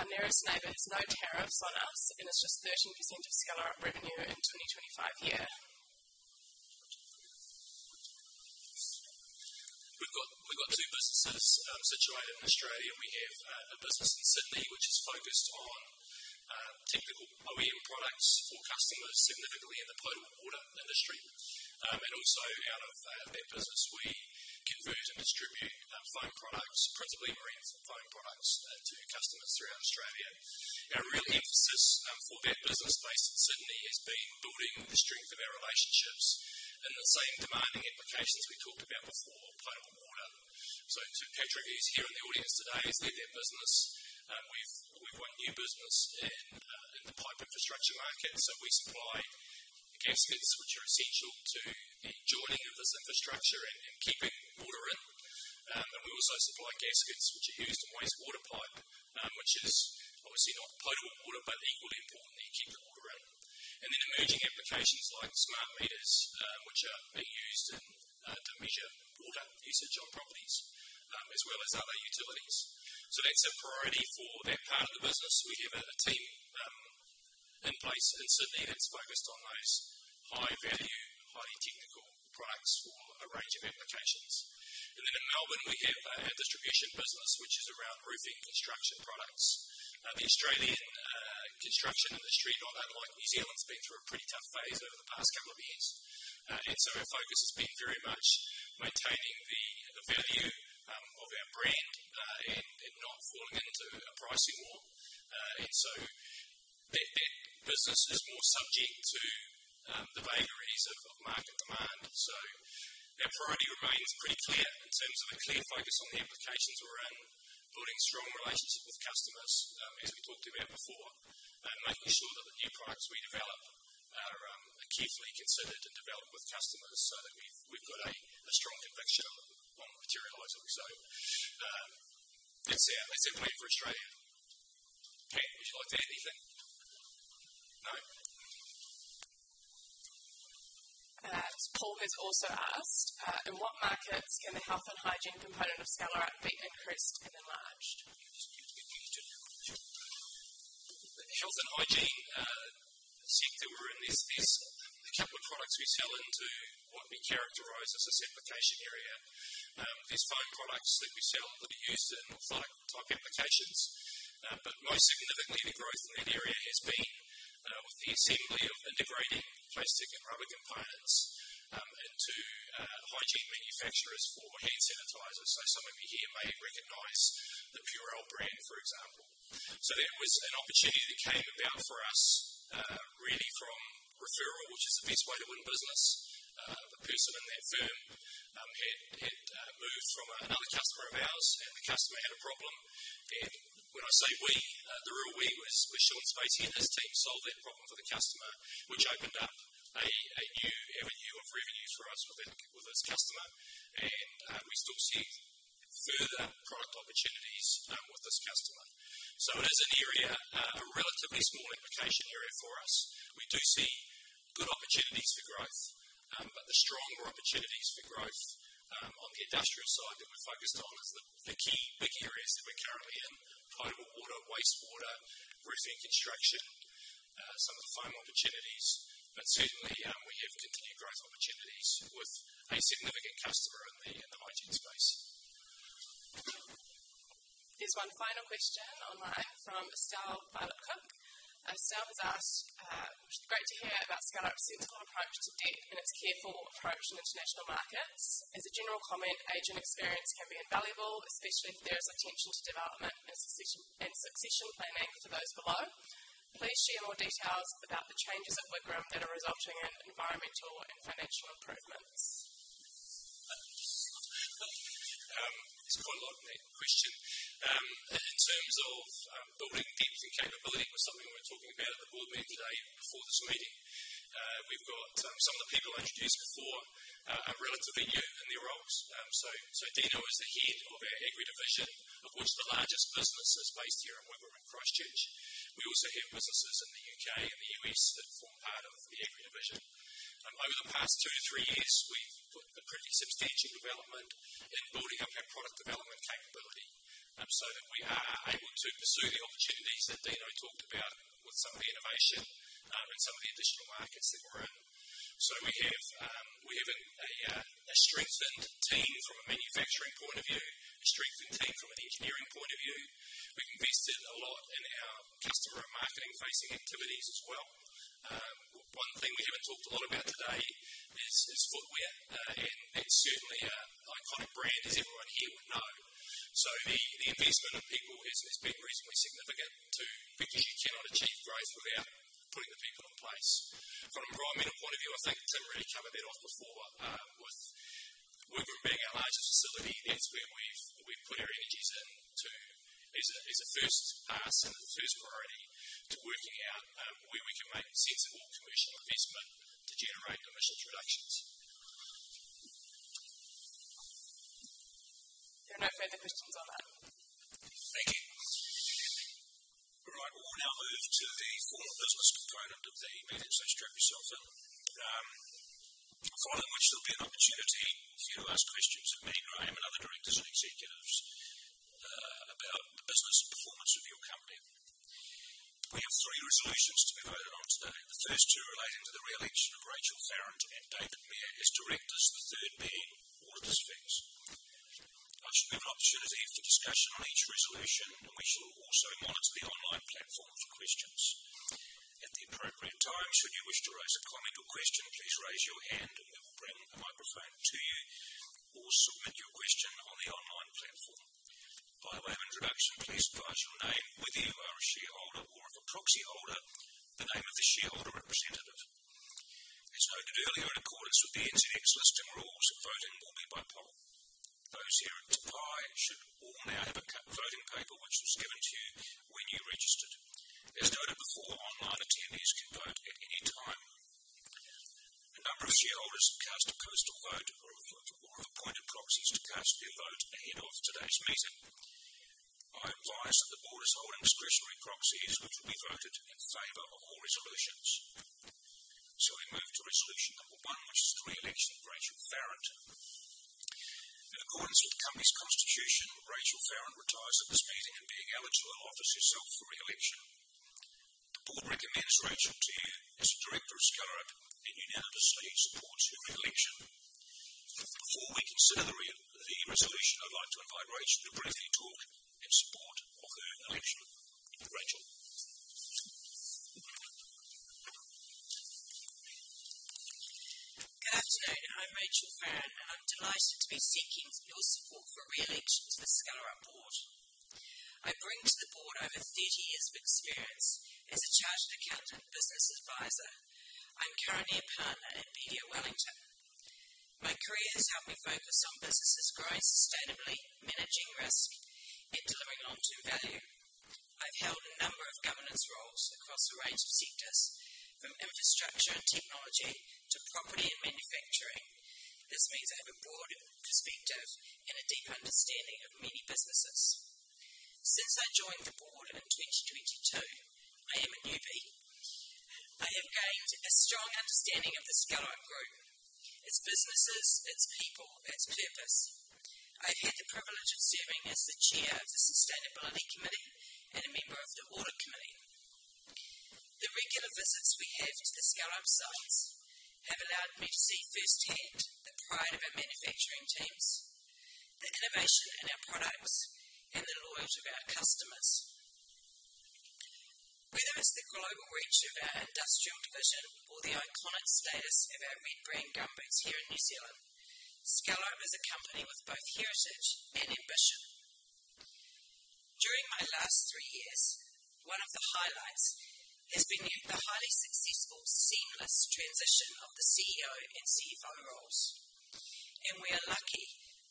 Our nearest neighbor has no tariffs on us and is just 13% of Skellerup revenue in 2025 year. We've got two businesses situated in Australia. We have a business in Sydney, which is focused on technical OEM products for customers significantly in the potable water industry. Also, out of that business, we convert and distribute foam products, printed lingerie foam products to customers throughout Australia. Our real emphasis for that business based in Sydney has been building the strength of our relationships in the same demanding applications we talked about before on potable water. To capture views here in the audience today is that that business, we've won new business in the pipe infrastructure market. We supply gaskets, which are essential to the joining of this infrastructure and keeping water in. We also supply gaskets, which are used in wastewater pipe, which is obviously not potable water, but equally important that you keep the water out of it. Then emerging applications like smart meters, which are being used to measure water usage on properties, as well as other utilities. That's a priority for that part of the business. We have a team in place in Sydney that's focused on those high-value, highly technical products for a range of applications. In Melbourne, we have a distribution business, which is around roofing construction products. The Australian construction industry, not unlike New Zealand, has been through a pretty tough phase over the past couple of years. Our focus has been very much maintaining the value of our brand and not falling into a pricing war. That business is more subject to the vagaries of market demand. Our priority remains pretty clear in terms of a clear focus on the applications we're around, building strong relationships with customers, as we talked about before, and making sure that the new products we develop are carefully considered and developed with customers so that we've got a strong conviction on the materiality of the result. That's it. That's it for me for Australia. Okay. Would you like to add anything? No. Paul has also asked, "In what markets can the health and hygiene component of Skellerup be increased and enlarged? The health and hygiene, since we're in this chunk of products we sell into what we characterize as a certification area, there's foam products that we sell that are used in all five applications. Most significantly, the growth in that area has been with the assembly of integrating plastic and rubber components into hygiene manufacturers for hand sanitizers. Some of you here may recognize the Purell brand, for example. That was an opportunity that came about for us, really from referral, which is the best way to win a business. A person in that firm had moved from another customer of ours, and the customer had a problem. When I say we, the real we was Sean Spacy and his team solved that problem for the customer, which opened up a new avenue of revenue for us with this customer. We still see further product opportunities with this customer. It is an area, a relatively small application area for us. We do see good opportunities for growth, but the stronger opportunities for growth on the industrial side that we're focused on are the key big areas that we're currently in: potable water, wastewater, roofing construction, some of the foam opportunities. We have continued growth opportunities with a significant customer in the hygiene space. Here's one final question online from Estelle Pilot Cook. Estelle has asked, great to hear about Skellerup's sensible approach to debt and its careful approach in international markets. As a general comment, agent experience can be invaluable, especially if there is attention to development and succession planning for those below. Please share more details about the changes at Wigram that are resulting in environmental and financial improvements. It's quite a long, lengthy question. In terms of building people's capability, it was something we were talking about at the board meeting today and before this meeting. We've got some of the people I introduced before are relatively young in their roles. Dino Drgas is the head of our Agri Division, of which the largest business is based here in Wigram and Christchurch. We also have businesses in the U.K. and the U.S. that form part of the Agri Division. Over the past two to three years, we've put a pretty substantial development in building up our product development capability so that we are able to pursue the opportunities that Dino talked about with some of the innovation and some of the additional markets that we're in. We have a strengthened team from a manufacturing point of view, a strengthened team from an engineering point of view. We've invested a lot in our customer and marketing-facing activities as well. One thing we haven't talked a lot about today is footwear, and that's certainly an iconic brand, as everyone here would know. The investment of people has been reasonably significant too because you cannot achieve growth without putting the people in place. From an environmental point of view, I think Tim really covered that off before, but with Wigram being our largest facility, that's where we've put our energies in as a first pass and as a first priority to working out where we can make sensible commercial investment to generate commercial productions. There are no further questions on that. Thank you. All right. We'll now move to the formal business component of the meeting. Strap yourself in. There will still be an opportunity for you to ask questions of me, Graham, and other directors and executives about the business and performance of your company. We have three resolutions to be voted on today. The first two relate to the reelection of Rachel Farran and David. We have this directly as the third main order of this fix. I'll give an opportunity for discussion on each resolution, and we shall also monitor the online platform for questions. At the appropriate time, should you wish to raise a comment or question, please raise your hand, and we will bring a microphone to you or submit your question on the online platform. By way of introduction, please spell out your name, whether you are a shareholder or a proxy holder, and the name of the shareholder representative. As noted earlier, in accordance with the NZX listing rules, voting will be by poll. Those who are in supply should all now have a cut voting paper which was given to you when you registered. As noted before, online attendees can vote at any time. A number of shareholders have cast a postal vote or have appointed proxies to cast their vote ahead of today's meeting. I advise that the board is holding discretionary proxies which will be voted in favor of all resolutions. We move to resolution number one, which is the reelection of Rachel Farran. In accordance with the company's constitution, Rachel Farran retires at this meeting and being allowed to allot herself for reelection. The board recommends Rachel to you as the director of Skellerup and unanimously supports your reelection. Before we consider the resolution, I'd like to invite Rachel to briefly talk in support of the reelection. Rachel. Good afternoon. I'm Rachel Farran. I'm delighted to be seeking your support for reelection for Skellerup Board. I bring to the board over 30 years of experience as a Chartered Accountant and business advisor. I'm currently a partner in Media Wellington. My career's helped me focus on businesses growing sustainably, managing risk, and delivering long-term value. I've held a number of governance roles across a range of sectors, from infrastructure and technology to property and manufacturing. This means I have a broad perspective and a deep understanding of many businesses. Since I joined the board in 2022, I am a newbie. I have gained a strong understanding of the Skellerup Group, its businesses, its people, its purpose. I've had the privilege of serving as the Chair of the Sustainability Committee and a member of the Audit Committee. The regular visits we have to the Skellerup sites have allowed me to see firsthand the pride of our manufacturing teams, the innovation in our products, and the loyalty of our customers. Whether it's the global reach of our Industrial Division or the iconic status of our red brand gummies here in New Zealand, Skellerup is a company with both heritage and ambition. During my last three years, one of the highlights has been the highly successful, seamless transition of the CEO and CFO roles. We are lucky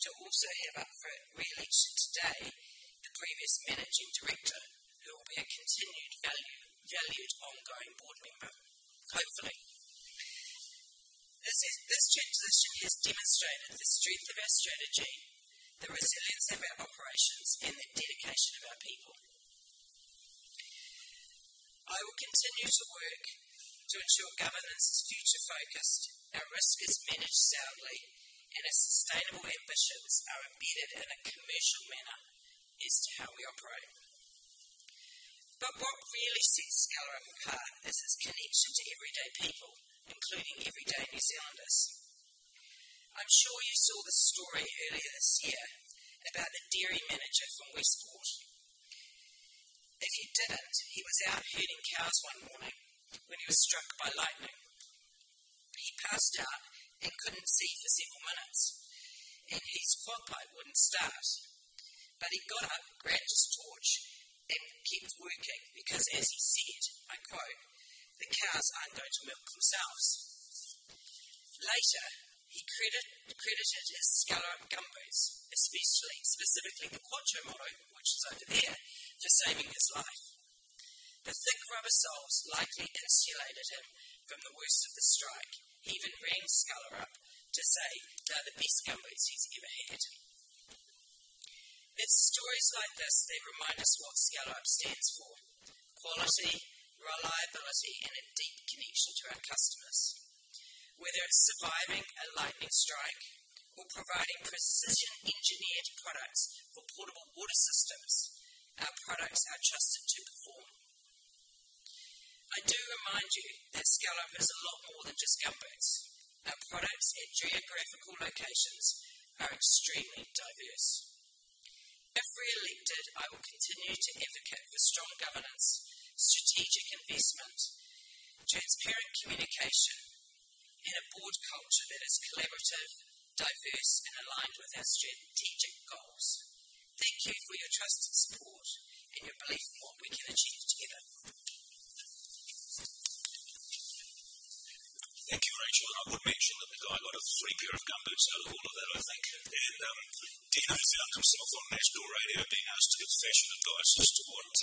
to also have our reelection today, the previous Managing Director, who will be a continued valued ongoing board member, hopefully. This transition has demonstrated the strength of our strategy, the resilience of our operations, and the dedication of our people. I will continue to work to ensure governance is future-focused, our risk is managed soundly, and our sustainable ambitions are embedded in a commercial manner as to how we operate. What really sets Skellerup apart is its connection to everyday people, including everyday New Zealanders. I'm sure you saw the story earlier this year about the dairy manager from Westport. He was out herding cows one morning when he was struck by lightning. He passed out and couldn't see for several minutes, and his quad bike wouldn't start. He got up, grabbed his torch, and kept working because, as he said, I quote, "The cows aren't going to milk themselves." Later, he credited his Skellerup gummies, specifically the Quattro Moro, which is over there, for saving his life. The thick rubber soles lightly insulated him from the worst of the strike, even rang Skellerup to say they're the best gummies he's ever had. It's stories like this that remind us what Skellerup stands for: quality, reliability, and a deep connection to our customers. Whether it's surviving a lightning strike or providing precision-engineered products for potable water systems, our products are trusted to perform. I do remind you that Skellerup is a lot more than just gummies. Our products and geographical locations are extremely diverse. If reelected, I will continue to advocate for strong governance, strategic investment, transparent communication, and a board culture that is collaborative, diverse, and aligned with our strategic goals. Thank you for your trust and support and your belief in what we can achieve together. Thank you, Rachel. I will mention that we've got a lot of free pair of gummies available that I think. Dino's out himself on national radio being asked to give special advice as to what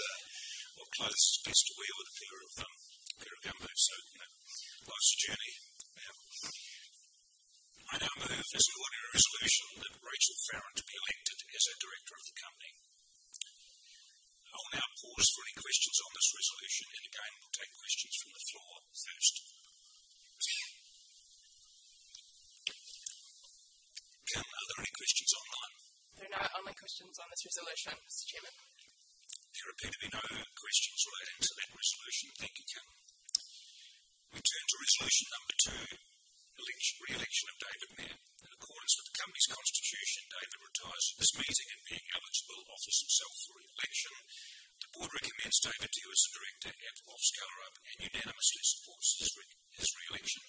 clothes best to wear with a pair of gummies. Nice journey. I now move as an ordinary resolution that Rachel Farran be elected as our director of the company. I'll now pause for any questions on this resolution and again will take questions from the floor first. Okay. Are there any questions online? There are no other questions on this resolution, Mr. Chairman. There appear to be no other questions relating to that resolution. Thank you, Kim. We turn to resolution number two, reelection of David. In accordance with the company's constitution, David retires at this meeting and, being eligible, offers himself for reelection. The board recommends David Mair as the director of Skellerup and unanimously supports his reelection.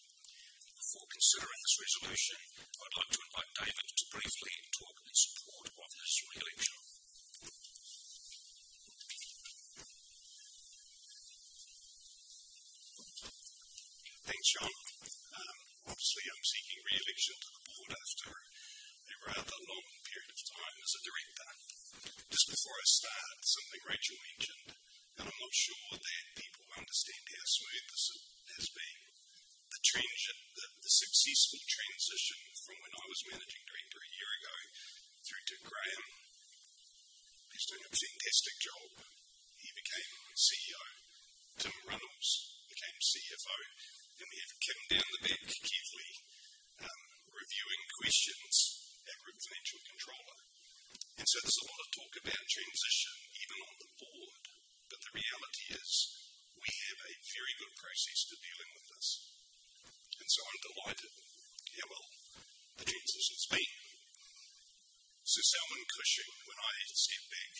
Before considering this resolution, I'd like to invite David to briefly talk in support of his reelection. Thanks, Sean. Obviously, I'm seeking reelection for the board after a rather long period of time as a director. Just before I start, something Rachel mentioned, and I'm not sure that people understand the SOE of this as being the change and the successful transition from when I was managing David a year ago through to Graham. He's done a fantastic job. He became CEO. Tim Runnalls became CFO, and we have Kim down the back, keeping reviewing questions at Rig Financial Controller. There's a lot of talk about transition even on the board, but the reality is we have a very good process for dealing with this. I'm delighted how well the transition's been. Sir Salman Khusheg, when I sat back,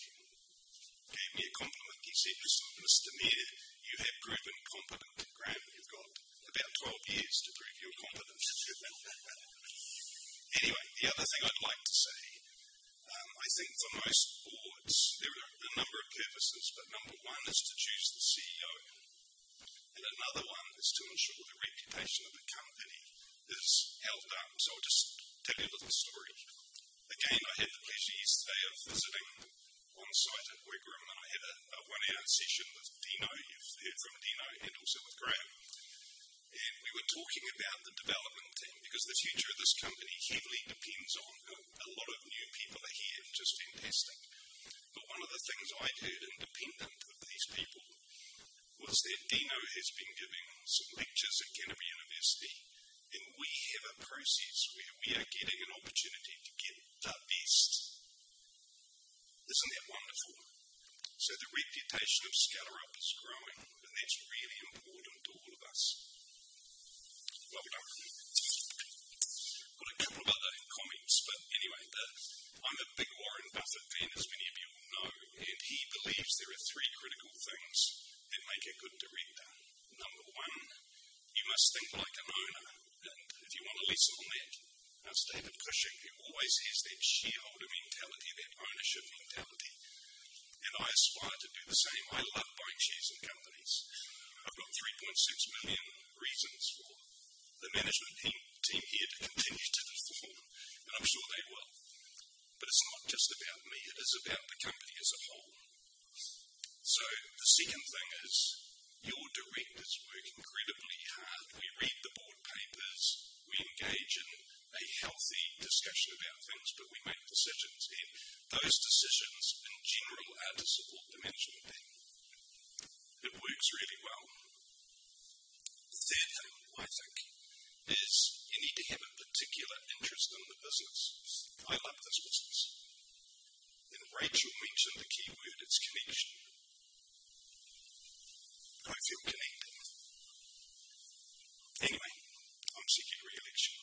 he gave me a compliment. He said, "Mr. Mair, you have proven competent. Graham, you've got about 12 years to prove your competence." Anyway, the other thing I'd like to say. I think for most boards, there are a number of purposes, but number one is to choose the CEO, and another one is to ensure the reputation of the company is held up. I'll just tell you a little story. Again, I had the pleasure yesterday of visiting one site at Wigram, and I had a 1-hour session with Dino Drgas and also with Graham. We were talking about the development team because the future of this company heavily depends on a lot of new people that he had just been testing. One of the things I heard independent of these people was that Dino has been giving some lectures at Kennedy University, and we have a process where we are getting an opportunity to get the best. Isn't that wonderful? The reputation of Skellerup is growing, and that's really important to all of us. Not a couple of other comments, but anyway, I'm a big Warren Buffett fan, as many of you will know, and he believes there are three critical things that make a good director. Number one, you must think like an owner, and do you want to listen to me? That's David Cushing who always has that shareholder mentality, that ownership mentality. I aspire to do the same. I love both shares in companies. I've got 3.6 million reasons for the management team here to continue to perform, and I'm sure they will. It's not just about me. It is about the company as a whole. The second thing is your directors work incredibly hard. We read the board papers. We engage in a healthy discussion about things, but we make decisions. Those decisions, in general, are to support the management team. It works really well. The third thing, I think, is you need to have a particular interest in the business. I love this business. Rachel mentioned the keyword is connection. I feel connected. I'm seeking reaction.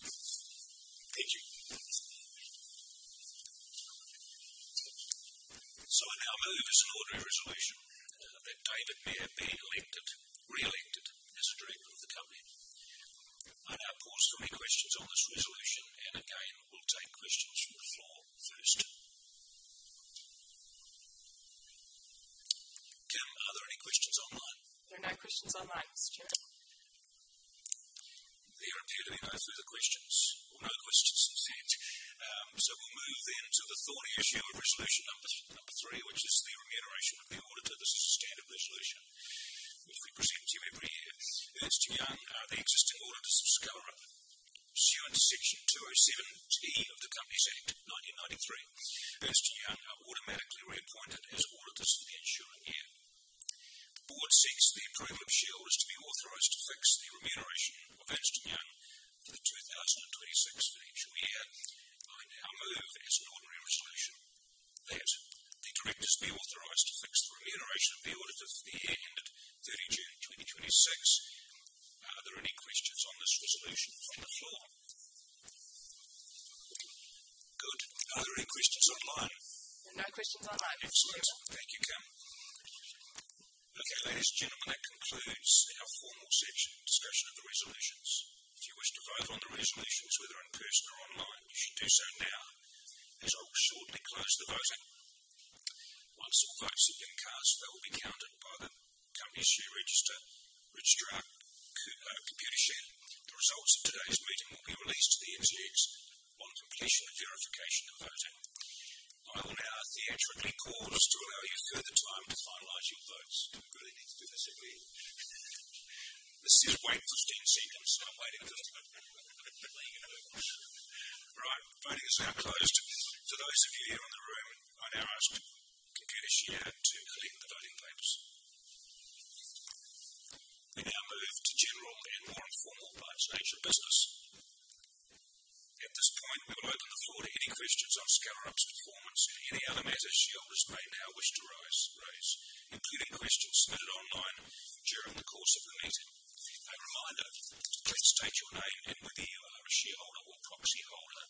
Thank you. I now move to the board of resolution. I bet David Mair being re-elected as a director of the company. I have also had questions on this resolution, and again, we'll take questions from the floor first. Kim, are there any questions online? There are no questions online, Mr. Chair. There are two to be answered, the questions. No questions instead. We'll move then to the thought issue of resolution number three, which is the remuneration of the auditor. This is a standard resolution which we present to every year. Ernst & Young are the existing auditors of Skellerup. Using section 207(t) of the Companies Act, 1993, Ernst & Young are automatically reappointed as auditors in the ensuing year. The board seeks the approval of shareholders to be authorized to fix the remuneration of Ernst & Young for the 2026 financial year. I now move as an ordinary resolution that the directors be authorized to fix the remuneration of the auditors for the year ended 30 June 2026. Are there any questions on this resolution from the floor? Good. Are there any questions online? There are no questions online. Excellent. Thank you, Kim. Okay, ladies and gentlemen, that concludes our formal session discussion of the resolutions. If you wish to vote on the resolutions, whether in person or online, you should do so now, as I will shortly close the voting. Once the votes have been cast, they will be counted by the company share register, which is Computershare. The results of today's meeting will be released to the NZX upon completion of verification and voting. I will now theatrically call to allow you further time for finalizing votes. Just wait for 10 seconds. I'm waiting for the vote. Right. Voting is now closed to those of you here in the room and on Computershare to click the voting buttons. We now move to general and more informal lines of nature of business. At this point, we will open the floor to any questions on Skellerup Holdings Limited's performance and any other matters shareholders may now wish to raise, including questions submitted online during the course of the meeting. A reminder, please state your name and whether you are a shareholder or proxy holder.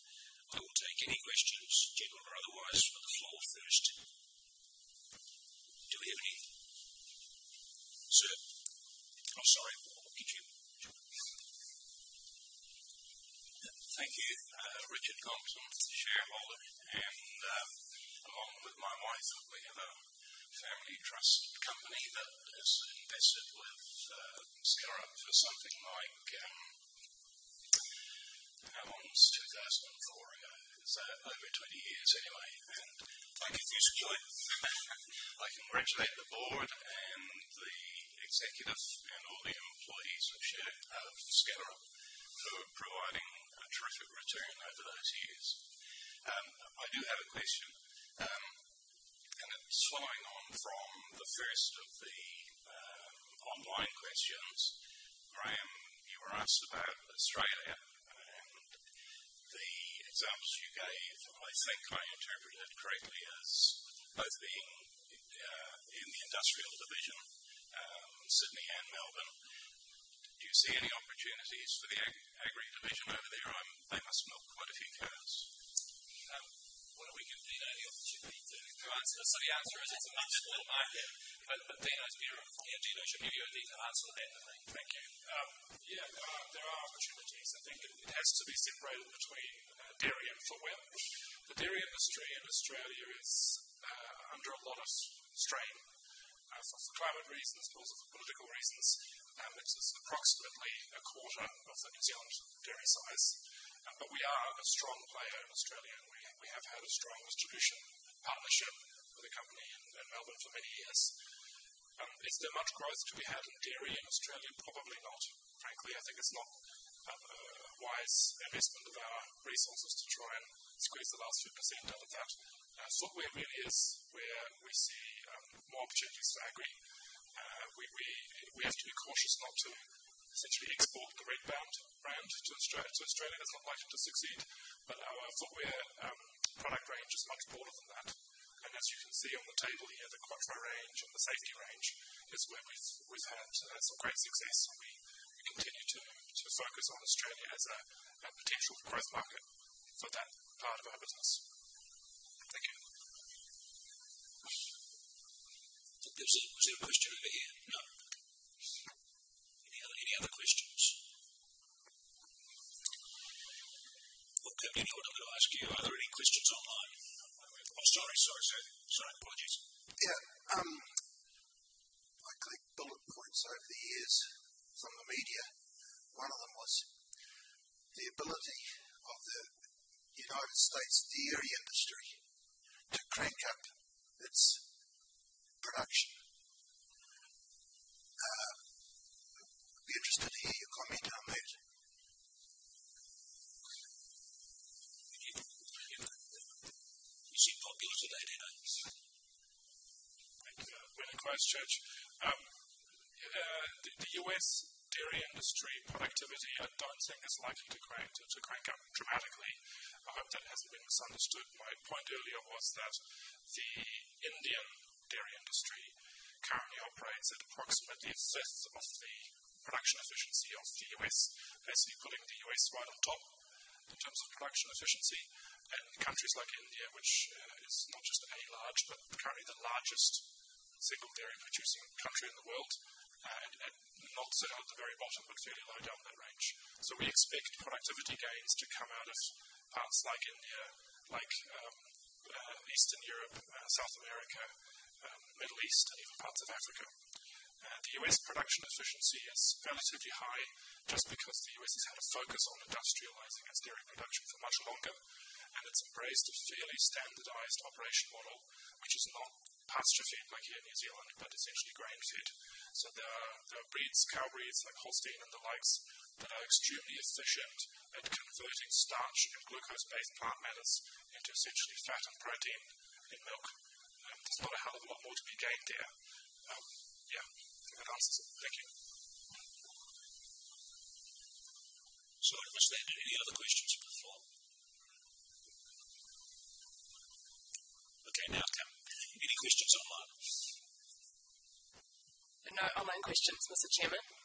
I will take any questions, general or otherwise, from the floor first. Do we have any? Sir, I'm sorry. What were you doing? Thank you. Richard Thompson, shareholder and handled along with my wife. We have a family trust company that has invested with Skellerup for something like, I want to say, 2004. It's over 20 years anyway. Thank you. Please enjoy. I congratulate the board and the executives and all the employees of Skellerup who are providing a terrific return over those years. I do have a question. It's flying on from the first of the online questions. Graham, you were asked about Australia. The examples you gave, I think I interpreted correctly as both being in the industrial division, Sydney and Melbourne. Do you see any opportunities for the agri division over there? They must milk quite a few cows. We can see that the opportunity to answer is it's a much smaller market. Dino's view, and Dino should be able to answer that. Thank you. Yeah, there are opportunities. I think it has to be separated between dairy and footwear. The dairy industry in Australia is under a lot of strain for climate reasons, but also for political reasons. It's approximately a quarter of the New Zealand dairy size, but we are a strong player in Australia. We have had a strong distribution partnership with the company in Melbourne for many years. Is there much growth to be had in dairy in Australia? Probably not. Frankly, I think it's not a wise investment of our resources to try and squeeze the last few % out of that. Footwear really is where we see more opportunities for agri. We have to be cautious not to essentially export the red brand to Australia. Australia does not like it to succeed, but our footwear product range is much broader than that. As you can see on the table here, the Quatrain range and the safety range is where we've had some great success. We continue to focus on Australia as a potential growth market for that part of our business. Thank you. Was there a question over here? Any other questions? Are there any questions online? Sorry. Sorry. Sorry. Apologies. Yeah, I picked up on points over the years from the media. One of them was the ability of the U.S. dairy industry to crank up its production. I'd be interested to hear your comment on that. You keep talking to us about it. Thank you. I'm in Christchurch. The U.S. dairy industry productivity I don't think is likely to crank up dramatically. I hope that it hasn't been misunderstood. My point earlier was that the Indian dairy industry currently operates at approximately a fifth of the production efficiency of the U.S., basically putting the U.S. right on top in terms of production efficiency. Countries like India, which is not just a large, but currently the largest single dairy producing country in the world, are not so at the very bottom, but fairly low down that range. We expect productivity gains to come out of parts like India, Eastern Europe, South America, the Middle East, and even parts of Africa. The U.S. production efficiency is relatively high just because the U.S. has had a focus on industrializing its dairy production for much longer. It's embraced a fairly standardized operation model, which is not pasture feed like in New Zealand, but essentially grain feed. There are cow breeds like Holstein and the likes that are extremely efficient at converting starch and glucose-based plant matters into essentially fat and protein in milk. There's not a hell of a lot more to be gained there. Yeah, I think that answers it. Thank you. Sorry. Was there any other questions from the floor? Okay. Now, Kim, any questions online? No online questions, Mr. Chairman? No. Okay.